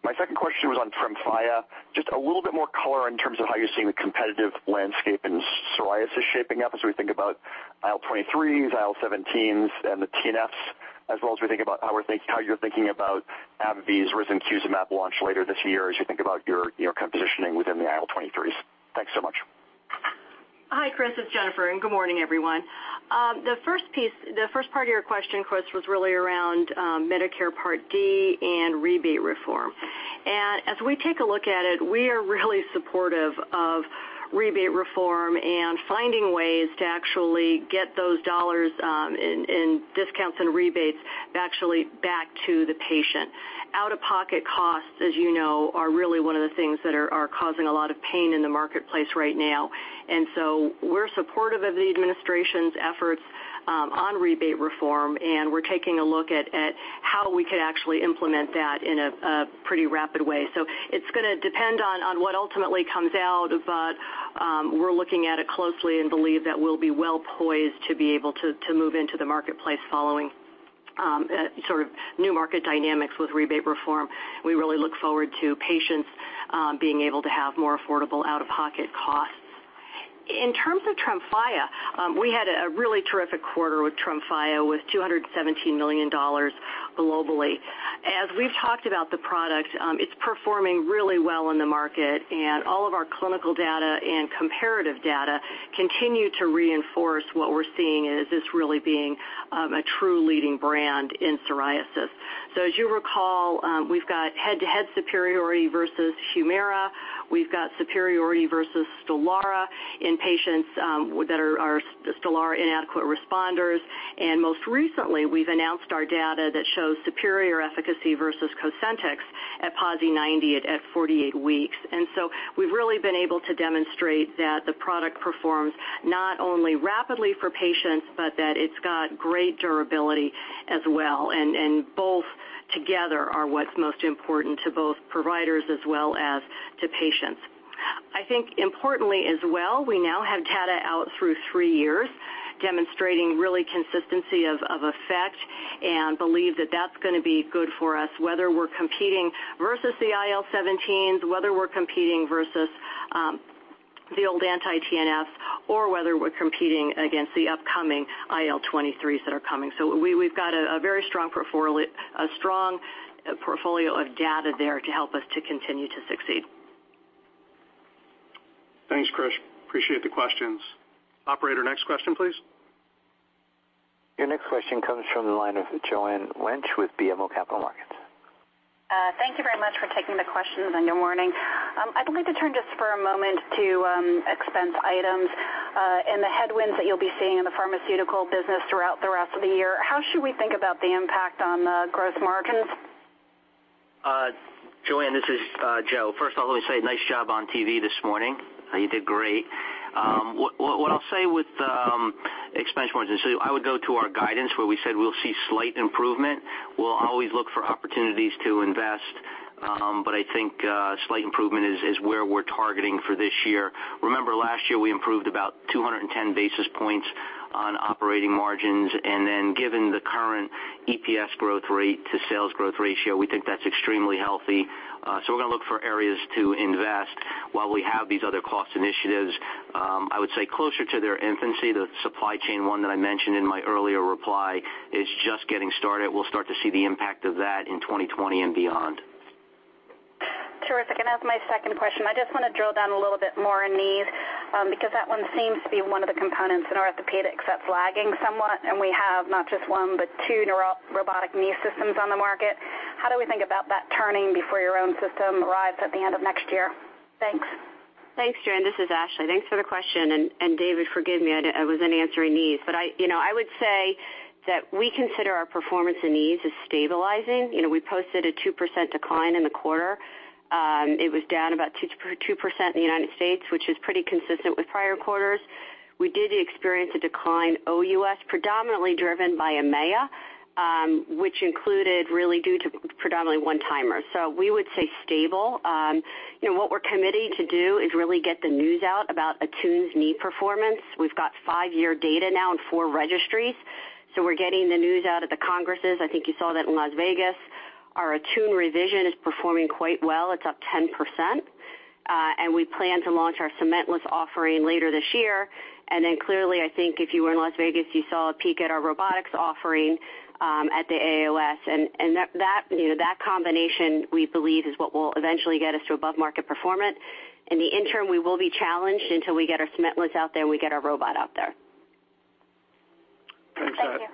My second question was on TREMFYA. Just a little bit more color in terms of how you're seeing the competitive landscape in psoriasis shaping up as we think about IL-23s, IL-17s, and the TNFs, as well as we think about how you're thinking about AbbVie's risankizumab launch later this year as you think about your positioning within the IL-23s. Thanks so much. Hi, Chris. It's Jennifer, and good morning, everyone. The first part of your question, Chris, was really around Medicare Part D and rebate reform. As we take a look at it, we are really supportive of rebate reform and finding ways to actually get those dollars in discounts and rebates actually back to the patient. Out-of-pocket costs, as you know, are really one of the things that are causing a lot of pain in the marketplace right now. We're supportive of the administration's efforts on rebate reform, and we're taking a look at how we could actually implement that in a pretty rapid way. It's going to depend on what ultimately comes out, but we're looking at it closely and believe that we'll be well poised to be able to move into the marketplace following sort of new market dynamics with rebate reform. We really look forward to patients being able to have more affordable out-of-pocket costs. In terms of TREMFYA, we had a really terrific quarter with TREMFYA with $217 million globally. As we've talked about the product, it's performing really well in the market, and all of our clinical data and comparative data continue to reinforce what we're seeing as this really being a true leading brand in psoriasis. As you recall, we've got head-to-head superiority versus HUMIRA. We've got superiority versus STELARA in patients that are STELARA inadequate responders. Most recently, we've announced our data that shows superior efficacy versus COSENTYX at PASI 90 at 48 weeks. We've really been able to demonstrate that the product performs not only rapidly for patients, but that it's got great durability as well. Both together are what's most important to both providers as well as to patients. I think importantly as well, we now have data out through three years demonstrating really consistency of effect and believe that that's going to be good for us, whether we're competing versus the IL-17s, whether we're competing versus the old anti-TNFs, or whether we're competing against the upcoming IL-23s that are coming. We've got a very strong portfolio of data there to help us to continue to succeed. Thanks, Chris. Appreciate the questions. Operator, next question, please. Your next question comes from the line of Joanne Wuensch with BMO Capital Markets. Thank you very much for taking the questions. Good morning. I'd like to turn just for a moment to expense items, the headwinds that you'll be seeing in the pharmaceutical business throughout the rest of the year. How should we think about the impact on the gross margins? Joanne, this is Joe. First, I'll only say nice job on TV this morning. You did great. What I'll say with expense margins, I would go to our guidance where we said we'll see slight improvement. We'll always look for opportunities to invest. I think slight improvement is where we're targeting for this year. Remember last year, we improved about 210 basis points on operating margins. Given the current EPS growth rate to sales growth ratio, we think that's extremely healthy. We're going to look for areas to invest while we have these other cost initiatives. I would say closer to their infancy, the supply chain one that I mentioned in my earlier reply is just getting started. We'll start to see the impact of that in 2020 and beyond. Terrific. As my second question, I just want to drill down a little bit more on knees, because that one seems to be one of the components in orthopedics that's lagging somewhat, and we have not just one but two robotic knee systems on the market. How do we think about that turning before your own system arrives at the end of next year? Thanks. Thanks, Joanne. This is Ashley. Thanks for the question, and David, forgive me, I wasn't answering these. I would say that we consider our performance in knees as stabilizing. We posted a 2% decline in the quarter. It was down about 2% in the U.S., which is pretty consistent with prior quarters. We did experience a decline OUS, predominantly driven by EMEA, which included really due to predominantly one-timers. We would say stable. What we're committing to do is really get the news out about ATTUNE's knee performance. We've got five-year data now in four registries, so we're getting the news out at the congresses. I think you saw that in Las Vegas. Our ATTUNE revision is performing quite well. It's up 10%, and we plan to launch our cementless offering later this year. Clearly, I think if you were in Las Vegas, you saw a peek at our robotics offering at the AAOS. That combination, we believe, is what will eventually get us to above-market performance. In the interim, we will be challenged until we get our cementless out there and we get our robot out there. Thank you.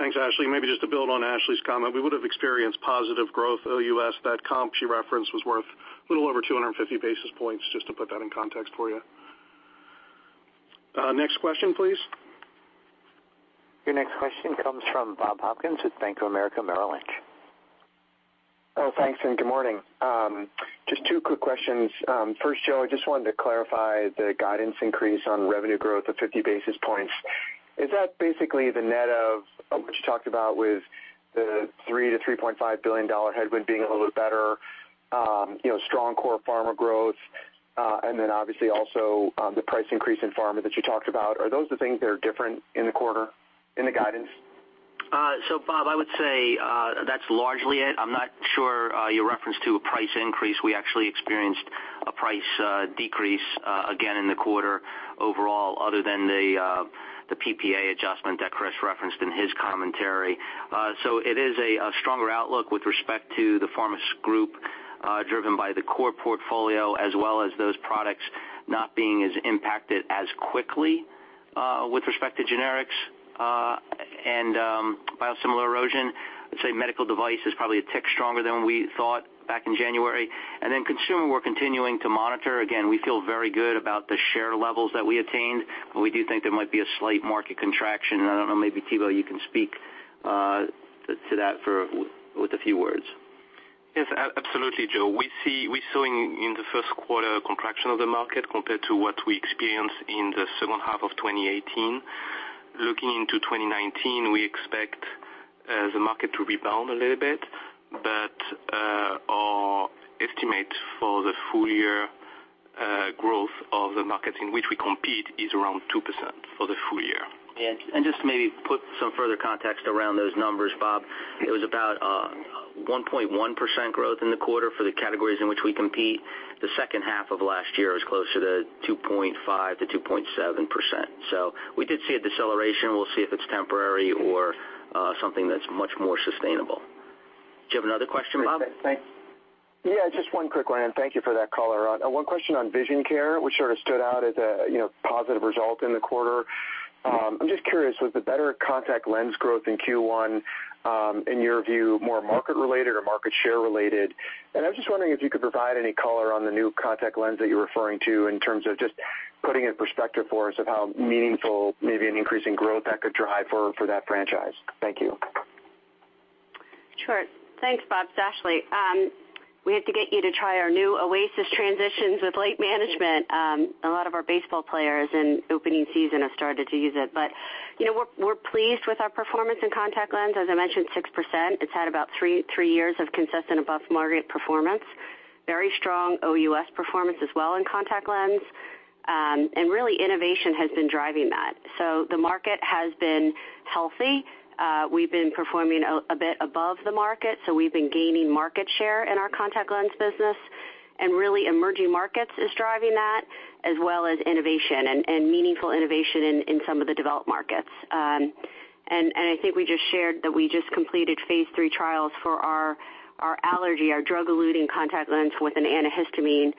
Thanks, Ashley. Maybe just to build on Ashley's comment, we would have experienced positive growth OUS. That comp she referenced was worth a little over 250 basis points, just to put that in context for you. Next question, please. Your next question comes from Bob Hopkins with Bank of America Merrill Lynch. Thanks, and good morning. Just two quick questions. First, Joe, I just wanted to clarify the guidance increase on revenue growth of 50 basis points. Is that basically the net of what you talked about with the $3 billion-$3.5 billion headwind being a little bit better, strong core pharma growth, obviously also the price increase in pharma that you talked about? Are those the things that are different in the quarter, in the guidance? Bob, I would say that's largely it. I'm not sure your reference to a price increase, we actually experienced a price decrease again in the quarter overall, other than the PPA adjustment that Chris referenced in his commentary. It is a stronger outlook with respect to the pharma's group, driven by the core portfolio as well as those products not being as impacted as quickly with respect to generics and biosimilar erosion. I'd say medical device is probably a tick stronger than we thought back in January. Consumer, we're continuing to monitor. Again, we feel very good about the share levels that we attained, we do think there might be a slight market contraction. I don't know, maybe Thibault, you can speak to that with a few words. Yes, absolutely, Joe. We're seeing in the first quarter a contraction of the market compared to what we experienced in the second half of 2018. Looking into 2019, we expect the market to rebound a little bit, but our estimate for the full year growth of the market in which we compete is around 2% for the full year. Just to maybe put some further context around those numbers, Bob, it was about 1.1% growth in the quarter for the categories in which we compete. The second half of last year was closer to 2.5%-2.7%. We did see a deceleration. We'll see if it's temporary or something that's much more sustainable. Do you have another question, Bob? Thanks. Just one quick one, and thank you for that color. One question on vision care, which sort of stood out as a positive result in the quarter. I'm just curious, was the better contact lens growth in Q1, in your view, more market related or market share related? I was just wondering if you could provide any color on the new contact lens that you're referring to in terms of just putting in perspective for us of how meaningful maybe an increase in growth that could drive for that franchise. Thank you. Sure. Thanks, Bob. It's Ashley. We have to get you to try our new ACUVUE OASYS Transitions with Light Management. A lot of our baseball players in opening season have started to use it. We're pleased with our performance in contact lens. As I mentioned, 6%. It's had about three years of consistent above-market performance. Very strong OUS performance as well in contact lens. Really, innovation has been driving that. The market has been healthy. We've been performing a bit above the market, so we've been gaining market share in our contact lens business. Really emerging markets is driving that as well as innovation and meaningful innovation in some of the developed markets. I think we just shared that we just completed phase III trials for our allergy, our drug-eluting contact lens with an antihistamine.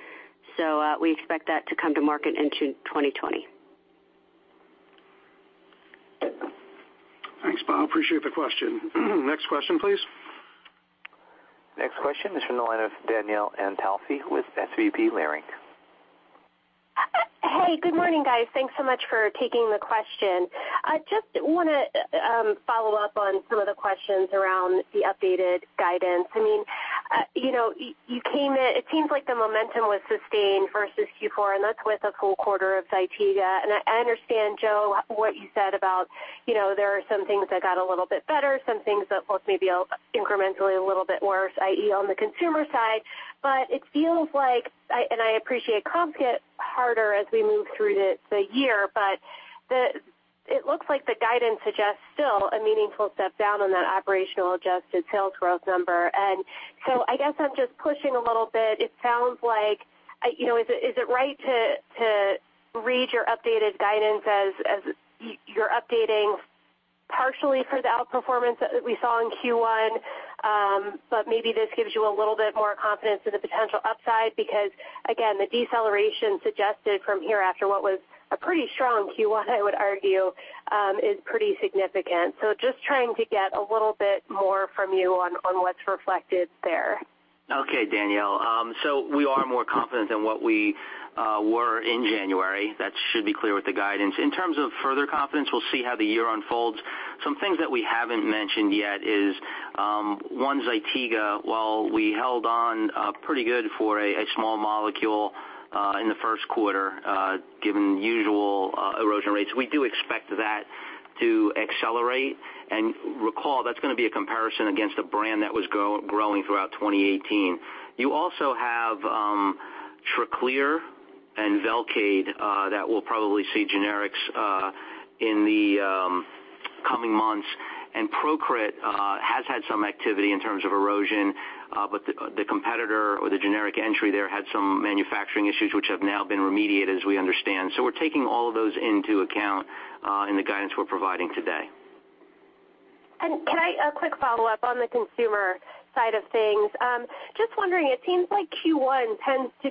We expect that to come to market into 2020. Thanks, Bob. Appreciate the question. Next question, please. Next question is from the line of Danielle Antalffy with SVB Leerink. Hey, good morning, guys. Thanks so much for taking the question. Just want to follow up on some of the questions around the updated guidance. It seems like the momentum was sustained versus Q4, and that's with a full quarter of ZYTIGA. I understand, Joe, what you said about there are some things that got a little bit better, some things that looked maybe incrementally a little bit worse, i.e., on the consumer side. I appreciate comps get harder as we move through the year, but it looks like the guidance suggests still a meaningful step down on that operational adjusted sales growth number. I guess I'm just pushing a little bit. Is it right to read your updated guidance as you're updating partially for the outperformance that we saw in Q1? Maybe this gives you a little bit more confidence in the potential upside, because again, the deceleration suggested from hereafter what was a pretty strong Q1, I would argue, is pretty significant. Just trying to get a little bit more from you on what's reflected there. Danielle. We are more confident than what we were in January. That should be clear with the guidance. In terms of further confidence, we'll see how the year unfolds. Some things that we haven't mentioned yet is, one, ZYTIGA, while we held on pretty good for a small molecule in the first quarter, given usual erosion rates, we do expect that to accelerate. Recall, that's going to be a comparison against a brand that was growing throughout 2018. You also have TRACLEER and VELCADE that will probably see generics in the coming months. PROCRIT has had some activity in terms of erosion. The competitor or the generic entry there had some manufacturing issues which have now been remediated, as we understand. We're taking all of those into account in the guidance we're providing today. A quick follow-up on the consumer side of things. Just wondering, it seems like Q1 tends to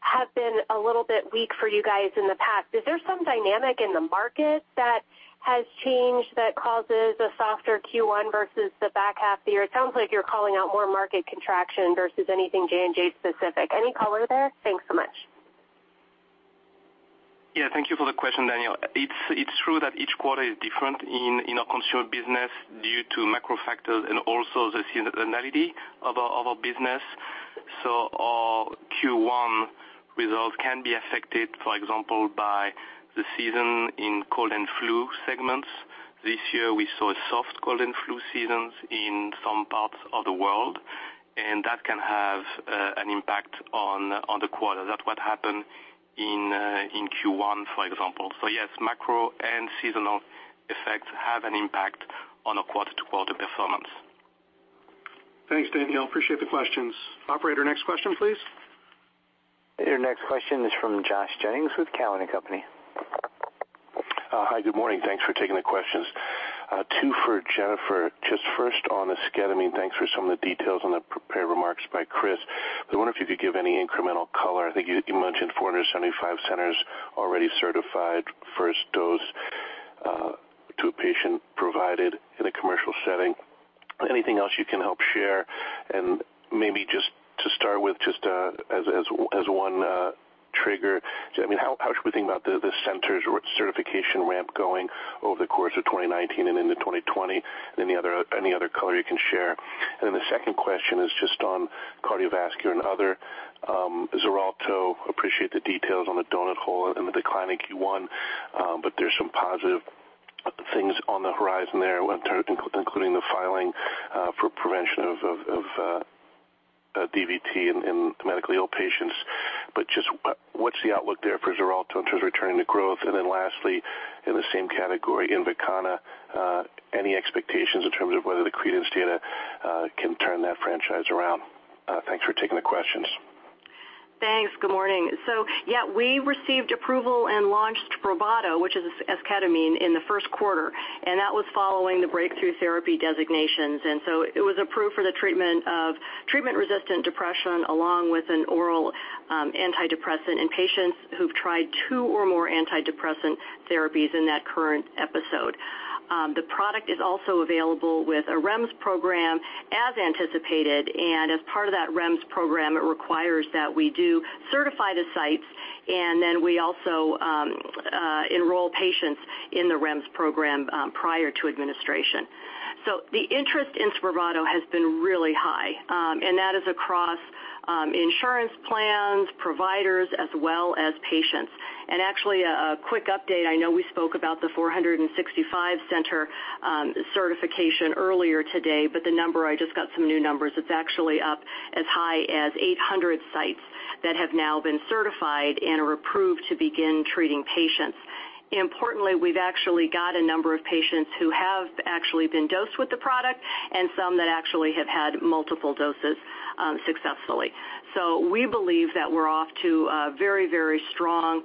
have been a little bit weak for you guys in the past. Is there some dynamic in the market that has changed that causes a softer Q1 versus the back half of the year? It sounds like you're calling out more market contraction versus anything J&J specific. Any color there? Thanks so much. Thank you for the question, Danielle. It's true that each quarter is different in our consumer business due to macro factors and also the seasonality of our business. Our Q1 results can be affected, for example, by the season in cold and flu segments. This year, we saw a soft cold and flu seasons in some parts of the world, that can have an impact on the quarter. That's what happened in Q1, for example. Yes, macro and seasonal effects have an impact on a quarter-to-quarter performance. Thanks, Danielle. Appreciate the questions. Operator, next question, please. Your next question is from Josh Jennings with Cowen and Company. Hi, good morning. Thanks for taking the questions. Two for Jennifer. First on esketamine, thanks for some of the details on the prepared remarks by Chris. I wonder if you could give any incremental color. I think you mentioned 475 centers already certified, first dose to a patient provided in a commercial setting. Anything else you can help share? Maybe just to start with, just as one trigger, how should we think about the centers certification ramp going over the course of 2019 and into 2020? Any other color you can share. The second question is just on cardiovascular and other. XARELTO, appreciate the details on the donut hole and the decline in Q1, there's some positive things on the horizon there, including the filing for prevention of DVT in medically ill patients. Just what's the outlook there for XARELTO in terms of returning to growth? Lastly, in the same category, INVOKANA, any expectations in terms of whether the CREDENCE data can turn that franchise around? Thanks for taking the questions. Thanks. Good morning. Yeah, we received approval and launched SPRAVATO, which is esketamine, in the first quarter, that was following the breakthrough therapy designations. It was approved for the treatment of treatment-resistant depression along with an oral antidepressant in patients who've tried two or more antidepressant therapies in that current episode. The product is also available with a REMS program as anticipated, as part of that REMS program, it requires that we do certify the sites, we also enroll patients in the REMS program prior to administration. The interest in SPRAVATO has been really high, that is across insurance plans, providers, as well as patients. Actually, a quick update. I know we spoke about the 465-center certification earlier today, I just got some new numbers. It's actually up as high as 800 sites That have now been certified and are approved to begin treating patients. Importantly, we've actually got a number of patients who have actually been dosed with the product and some that actually have had multiple doses successfully. We believe that we're off to a very strong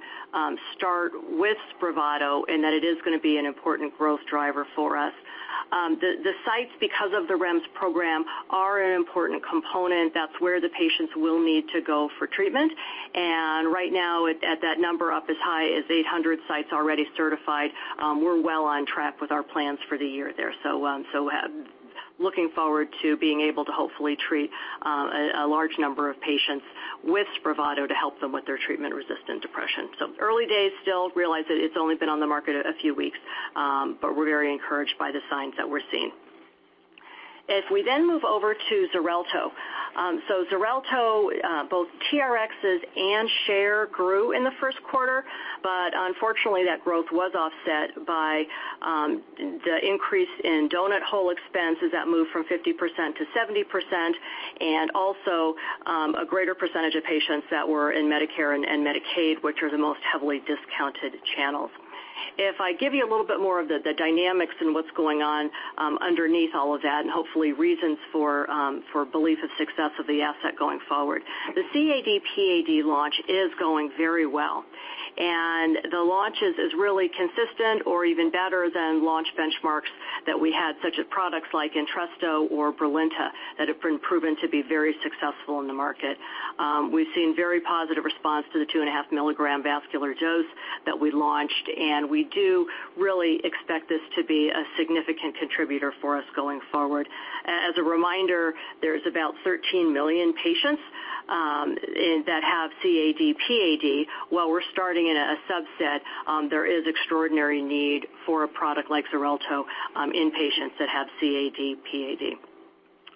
start with SPRAVATO, and that it is going to be an important growth driver for us. The sites, because of the REMS program, are an important component. That's where the patients will need to go for treatment. Right now, at that number up as high as 800 sites already certified, we're well on track with our plans for the year there. Looking forward to being able to hopefully treat a large number of patients with SPRAVATO to help them with their treatment-resistant depression. Early days, still realize that it's only been on the market a few weeks, but we're very encouraged by the signs that we're seeing. If we then move over to XARELTO. XARELTO, both TRXs and share grew in the first quarter. Unfortunately, that growth was offset by the increase in donut hole expenses that moved from 50% to 70%, and also a greater percentage of patients that were in Medicare and Medicaid, which are the most heavily discounted channels. If I give you a little bit more of the dynamics in what's going on underneath all of that and hopefully reasons for belief of success of the asset going forward. The CAD-PAD launch is going very well, and the launch is as really consistent or even better than launch benchmarks that we had, such as products like ENTRESTO or BRILINTA, that have been proven to be very successful in the market. We've seen very positive response to the two and a half milligram vascular dose that we launched, and we do really expect this to be a significant contributor for us going forward. As a reminder, there's about 13 million patients that have CAD-PAD. While we're starting in a subset, there is extraordinary need for a product like XARELTO in patients that have CAD-PAD.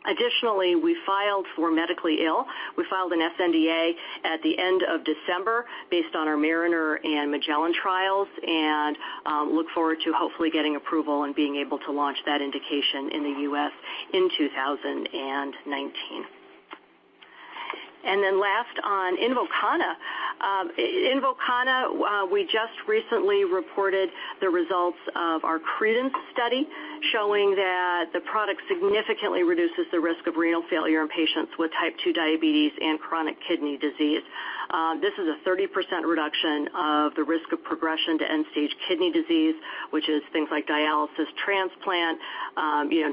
Additionally, we filed for medically ill. We filed an sNDA at the end of December based on our MARINER and MAGELLAN trials, and look forward to hopefully getting approval and being able to launch that indication in the U.S. in 2019. Last on INVOKANA. INVOKANA, we just recently reported the results of our CREDENCE study, showing that the product significantly reduces the risk of renal failure in patients with type 2 diabetes and chronic kidney disease. This is a 30% reduction of the risk of progression to end-stage kidney disease, which is things like dialysis transplant,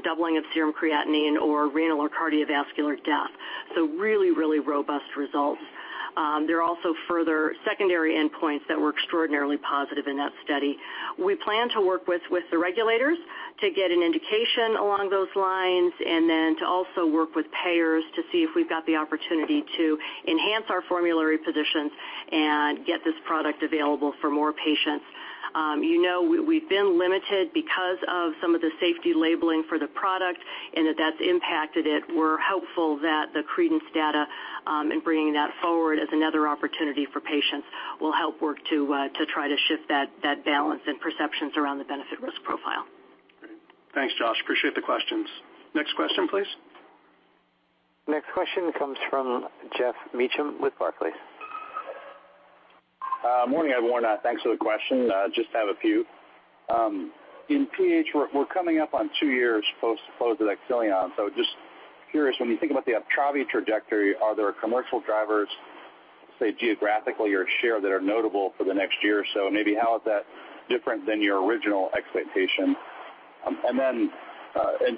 doubling of serum creatinine or renal or cardiovascular death. Really robust results. There are also further secondary endpoints that were extraordinarily positive in that study. We plan to work with the regulators to get an indication along those lines and then to also work with payers to see if we've got the opportunity to enhance our formulary positions and get this product available for more patients. You know we've been limited because of some of the safety labeling for the product and that that's impacted it. We're hopeful that the CREDENCE data, in bringing that forward as another opportunity for patients, will help work to try to shift that balance and perceptions around the benefit risk profile. Great. Thanks, Josh. Appreciate the questions. Next question, please. Next question comes from Geoff Meacham with Barclays. Morning, everyone. Thanks for the question. Just have a few. In PH, we're coming up on two years post the Actelion Just curious, when you think about the UPTRAVI trajectory, are there commercial drivers, say geographically or share, that are notable for the next year or so? Maybe how is that different than your original expectation?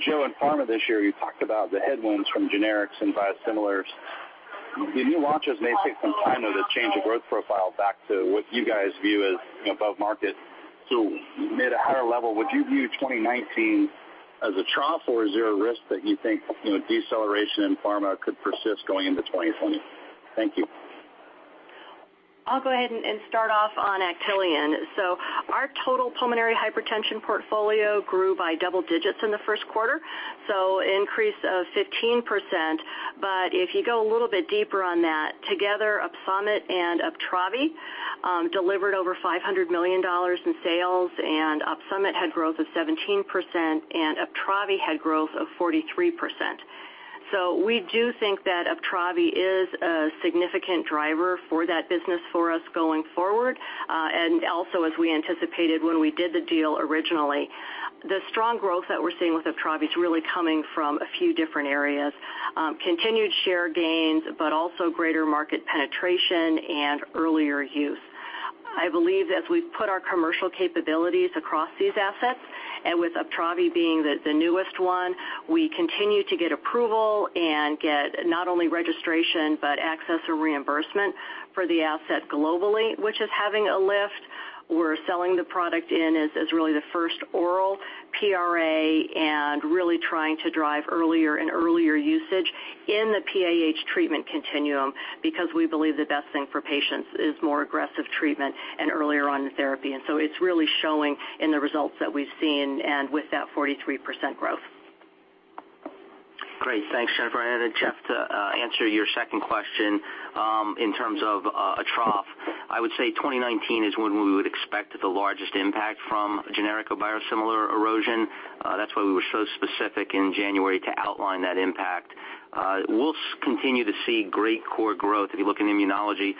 Joe, in pharma this year, you talked about the headwinds from generics and biosimilars. The new launches may take some time, though, to change the growth profile back to what you guys view as above market. At a higher level, would you view 2019 as a trough, or is there a risk that you think deceleration in pharma could persist going into 2020? Thank you. I'll go ahead and start off on Actelion. Our total pulmonary hypertension portfolio grew by double digits in the first quarter. Increase of 15%. If you go a little bit deeper on that, together, OPSUMIT and UPTRAVI delivered over $500 million in sales, and OPSUMIT had growth of 17%, and UPTRAVI had growth of 43%. We do think that UPTRAVI is a significant driver for that business for us going forward. Also, as we anticipated when we did the deal originally, the strong growth that we're seeing with UPTRAVI is really coming from a few different areas. Continued share gains, but also greater market penetration and earlier use. I believe as we've put our commercial capabilities across these assets, and with UPTRAVI being the newest one, we continue to get approval and get not only registration but access or reimbursement for the asset globally, which is having a lift. We're selling the product in as really the first oral PRA and really trying to drive earlier and earlier usage in the PAH treatment continuum, because we believe the best thing for patients is more aggressive treatment and earlier on in therapy. It's really showing in the results that we've seen and with that 43% growth. Great. Thanks, Jennifer. Then Geoff, to answer your second question in terms of a trough. I would say 2019 is when we would expect the largest impact from generic or biosimilar erosion. That's why we were so specific in January to outline that impact. We'll continue to see great core growth. If you look in immunology,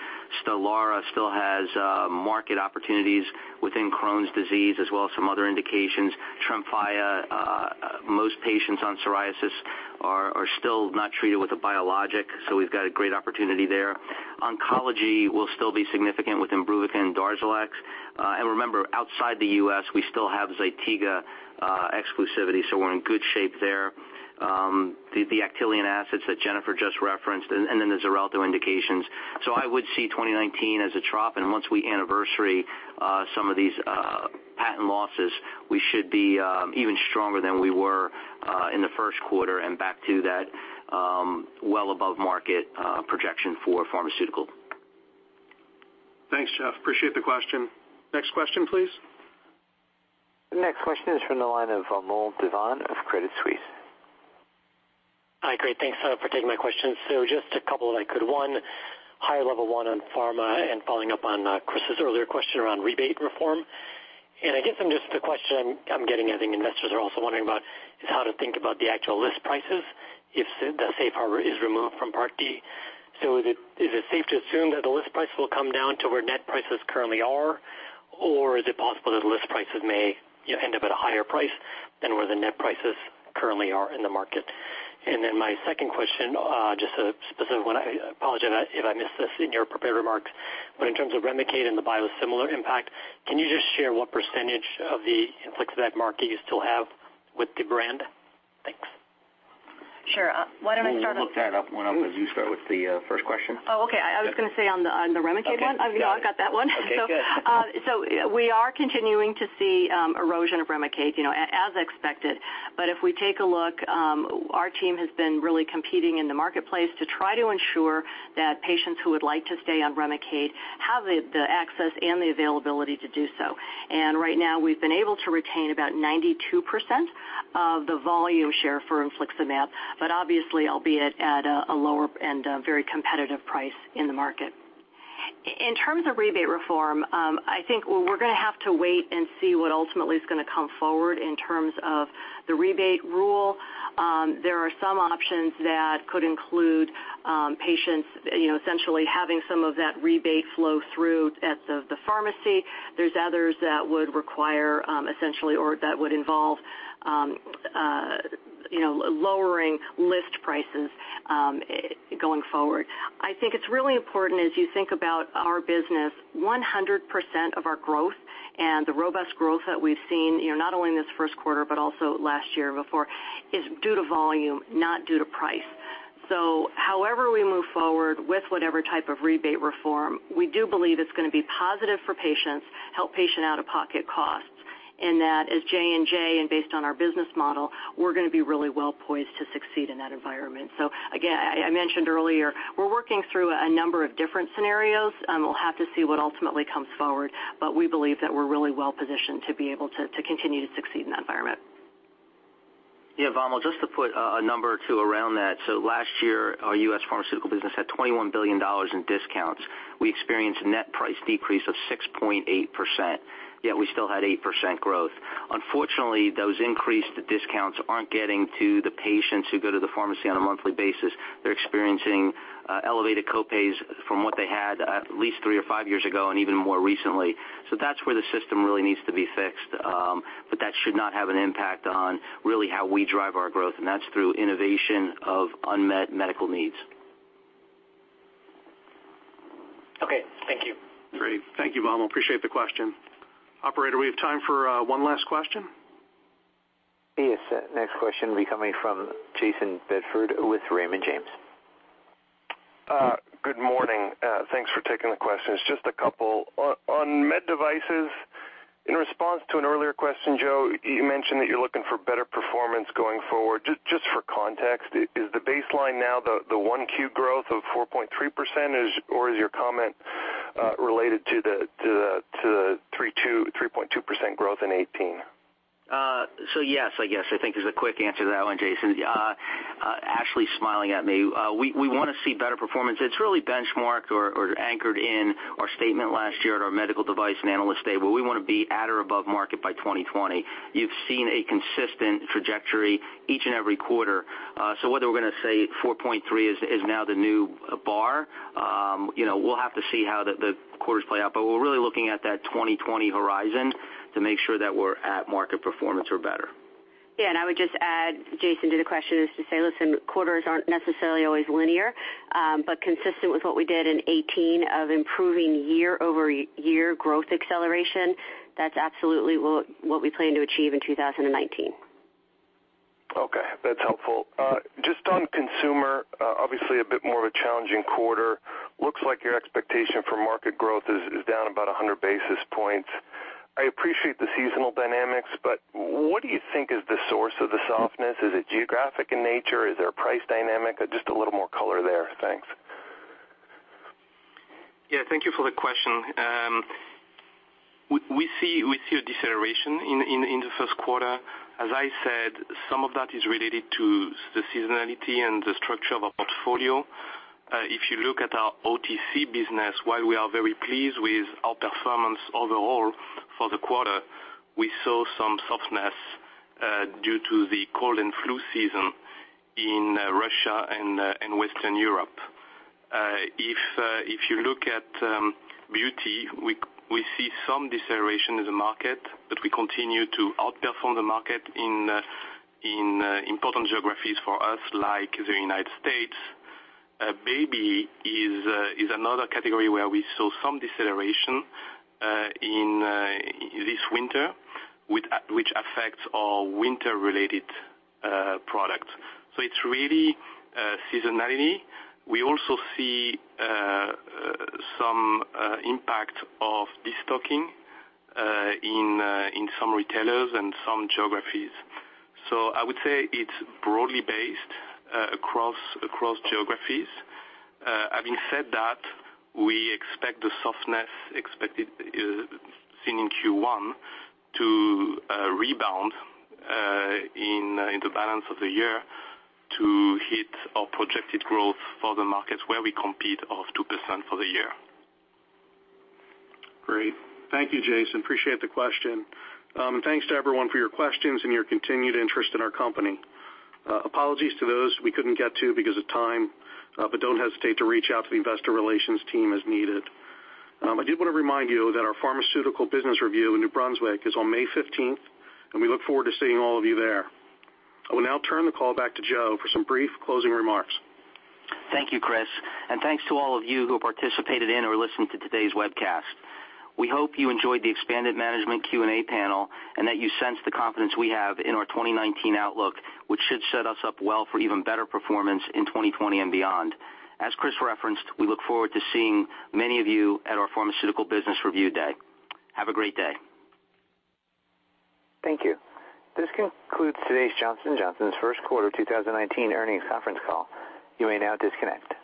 STELARA still has market opportunities within Crohn's disease as well as some other indications. TREMFYA, most patients on psoriasis are still not treated with a biologic, so we've got a great opportunity there. Oncology will still be significant with IMBRUVICA and DARZALEX. Remember, outside the U.S., we still have ZYTIGA exclusivity, so we're in good shape there. The Actelion assets that Jennifer just referenced, and then the XARELTO indications. I would see 2019 as a trough, and once we anniversary some of these patent losses, we should be even stronger than we were in the first quarter and back to that well above market projection for pharmaceutical. Thanks, Geoff. Appreciate the question. Next question, please. The next question is from the line of Vamil Divan of Credit Suisse. Hi. Great. Thanks for taking my questions. Just a couple if I could. One high-level one on pharma and following up on Chris's earlier question around rebate reform. I guess the question I'm getting, I think investors are also wondering about, is how to think about the actual list prices if the safe harbor is removed from Part D. Is it safe to assume that the list price will come down to where net prices currently are, or is it possible that list prices may end up at a higher price than where the net prices currently are in the market? Then my second question, just a specific one. I apologize if I missed this in your prepared remarks, but in terms of REMICADE and the biosimilar impact, can you just share what % of the infliximab market you still have with the brand? Thanks. Sure. Why don't I start. We'll look that up, Vamil, as you start with the first question. Oh, okay. I was going to say on the REMICADE one. Okay, got it. I've got that one. Okay, good. We are continuing to see erosion of REMICADE, as expected. If we take a look, our team has been really competing in the marketplace to try to ensure that patients who would like to stay on REMICADE have the access and the availability to do so. Right now, we've been able to retain about 92% of the volume share for infliximab, but obviously, albeit at a lower end, very competitive price in the market. In terms of rebate reform, I think we're going to have to wait and see what ultimately is going to come forward in terms of the rebate rule. There are some options that could include patients essentially having some of that rebate flow through at the pharmacy. There's others that would require essentially, or that would involve lowering list prices going forward. I think it's really important as you think about our business, 100% of our growth and the robust growth that we've seen, not only in this first quarter, but also last year and before, is due to volume, not due to price. However we move forward with whatever type of rebate reform, we do believe it's going to be positive for patients, help patient out-of-pocket costs, and that as Johnson & Johnson and based on our business model, we're going to be really well-poised to succeed in that environment. Again, I mentioned earlier, we're working through a number of different scenarios, and we'll have to see what ultimately comes forward. We believe that we're really well-positioned to be able to continue to succeed in that environment. Yeah, Vamil, just to put a number or two around that. Last year, our U.S. pharmaceutical business had $21 billion in discounts. We experienced net price decrease of 6.8%, yet we still had 8% growth. Unfortunately, those increased discounts aren't getting to the patients who go to the pharmacy on a monthly basis. They're experiencing elevated co-pays from what they had at least three or five years ago and even more recently. That's where the system really needs to be fixed. That should not have an impact on really how we drive our growth, and that's through innovation of unmet medical needs. Okay. Thank you. Great. Thank you, Vamil, appreciate the question. Operator, we have time for one last question. Yes, sir. Next question will be coming from Jayson Bedford with Raymond James. Good morning. Thanks for taking the questions. Just a couple. On med devices, in response to an earlier question, Joe, you mentioned that you're looking for better performance going forward. Just for context, is the baseline now the one Q growth of 4.3% or is your comment related to the 3.2% growth in 2018? Yes, I guess. I think there is a quick answer to that one, Jayson. Ashley is smiling at me. We want to see better performance. It is really benchmarked or anchored in our statement last year at our medical device and analyst day where we want to be at or above market by 2020. You have seen a consistent trajectory each and every quarter. Whether we are going to say 4.3 is now the new bar, we will have to see how the quarters play out. We are really looking at that 2020 horizon to make sure that we are at market performance or better. I would just add, Jayson, to the question is to say, listen, quarters are not necessarily always linear. Consistent with what we did in 2018 of improving year-over-year growth acceleration, that is absolutely what we plan to achieve in 2019. Okay. That is helpful. Just on consumer, obviously a bit more of a challenging quarter. Looks like your expectation for market growth is down about 100 basis points. I appreciate the seasonal dynamics, what do you think is the source of the softness? Is it geographic in nature? Is there a price dynamic? Just a little more color there. Thanks. Thank you for the question. We see a deceleration in the first quarter. As I said, some of that is related to the seasonality and the structure of our portfolio. If you look at our OTC business, while we are very pleased with our performance overall for the quarter, we saw some softness due to the cold and flu season in Russia and Western Europe. If you look at beauty, we see some deceleration in the market, but we continue to outperform the market in important geographies for us, like the U.S. Baby is another category where we saw some deceleration in this winter, which affects our winter-related products. It's really seasonality. We also see some impact of de-stocking in some retailers and some geographies. I would say it's broadly based across geographies. Having said that, we expect the softness seen in Q1 to rebound in the balance of the year to hit our projected growth for the markets where we compete of 2% for the year. Great. Thank you, Jayson. Appreciate the question. Thanks to everyone for your questions and your continued interest in our company. Apologies to those we couldn't get to because of time, but don't hesitate to reach out to the investor relations team as needed. I did want to remind you that our pharmaceutical business review in New Brunswick is on May 15th, and we look forward to seeing all of you there. I will now turn the call back to Joseph for some brief closing remarks. Thank you, Chris, and thanks to all of you who participated in or listened to today's webcast. We hope you enjoyed the expanded management Q&A panel and that you sense the confidence we have in our 2019 outlook, which should set us up well for even better performance in 2020 and beyond. As Chris referenced, we look forward to seeing many of you at our pharmaceutical business review day. Have a great day. Thank you. This concludes today's Johnson & Johnson's first quarter 2019 earnings conference call. You may now disconnect.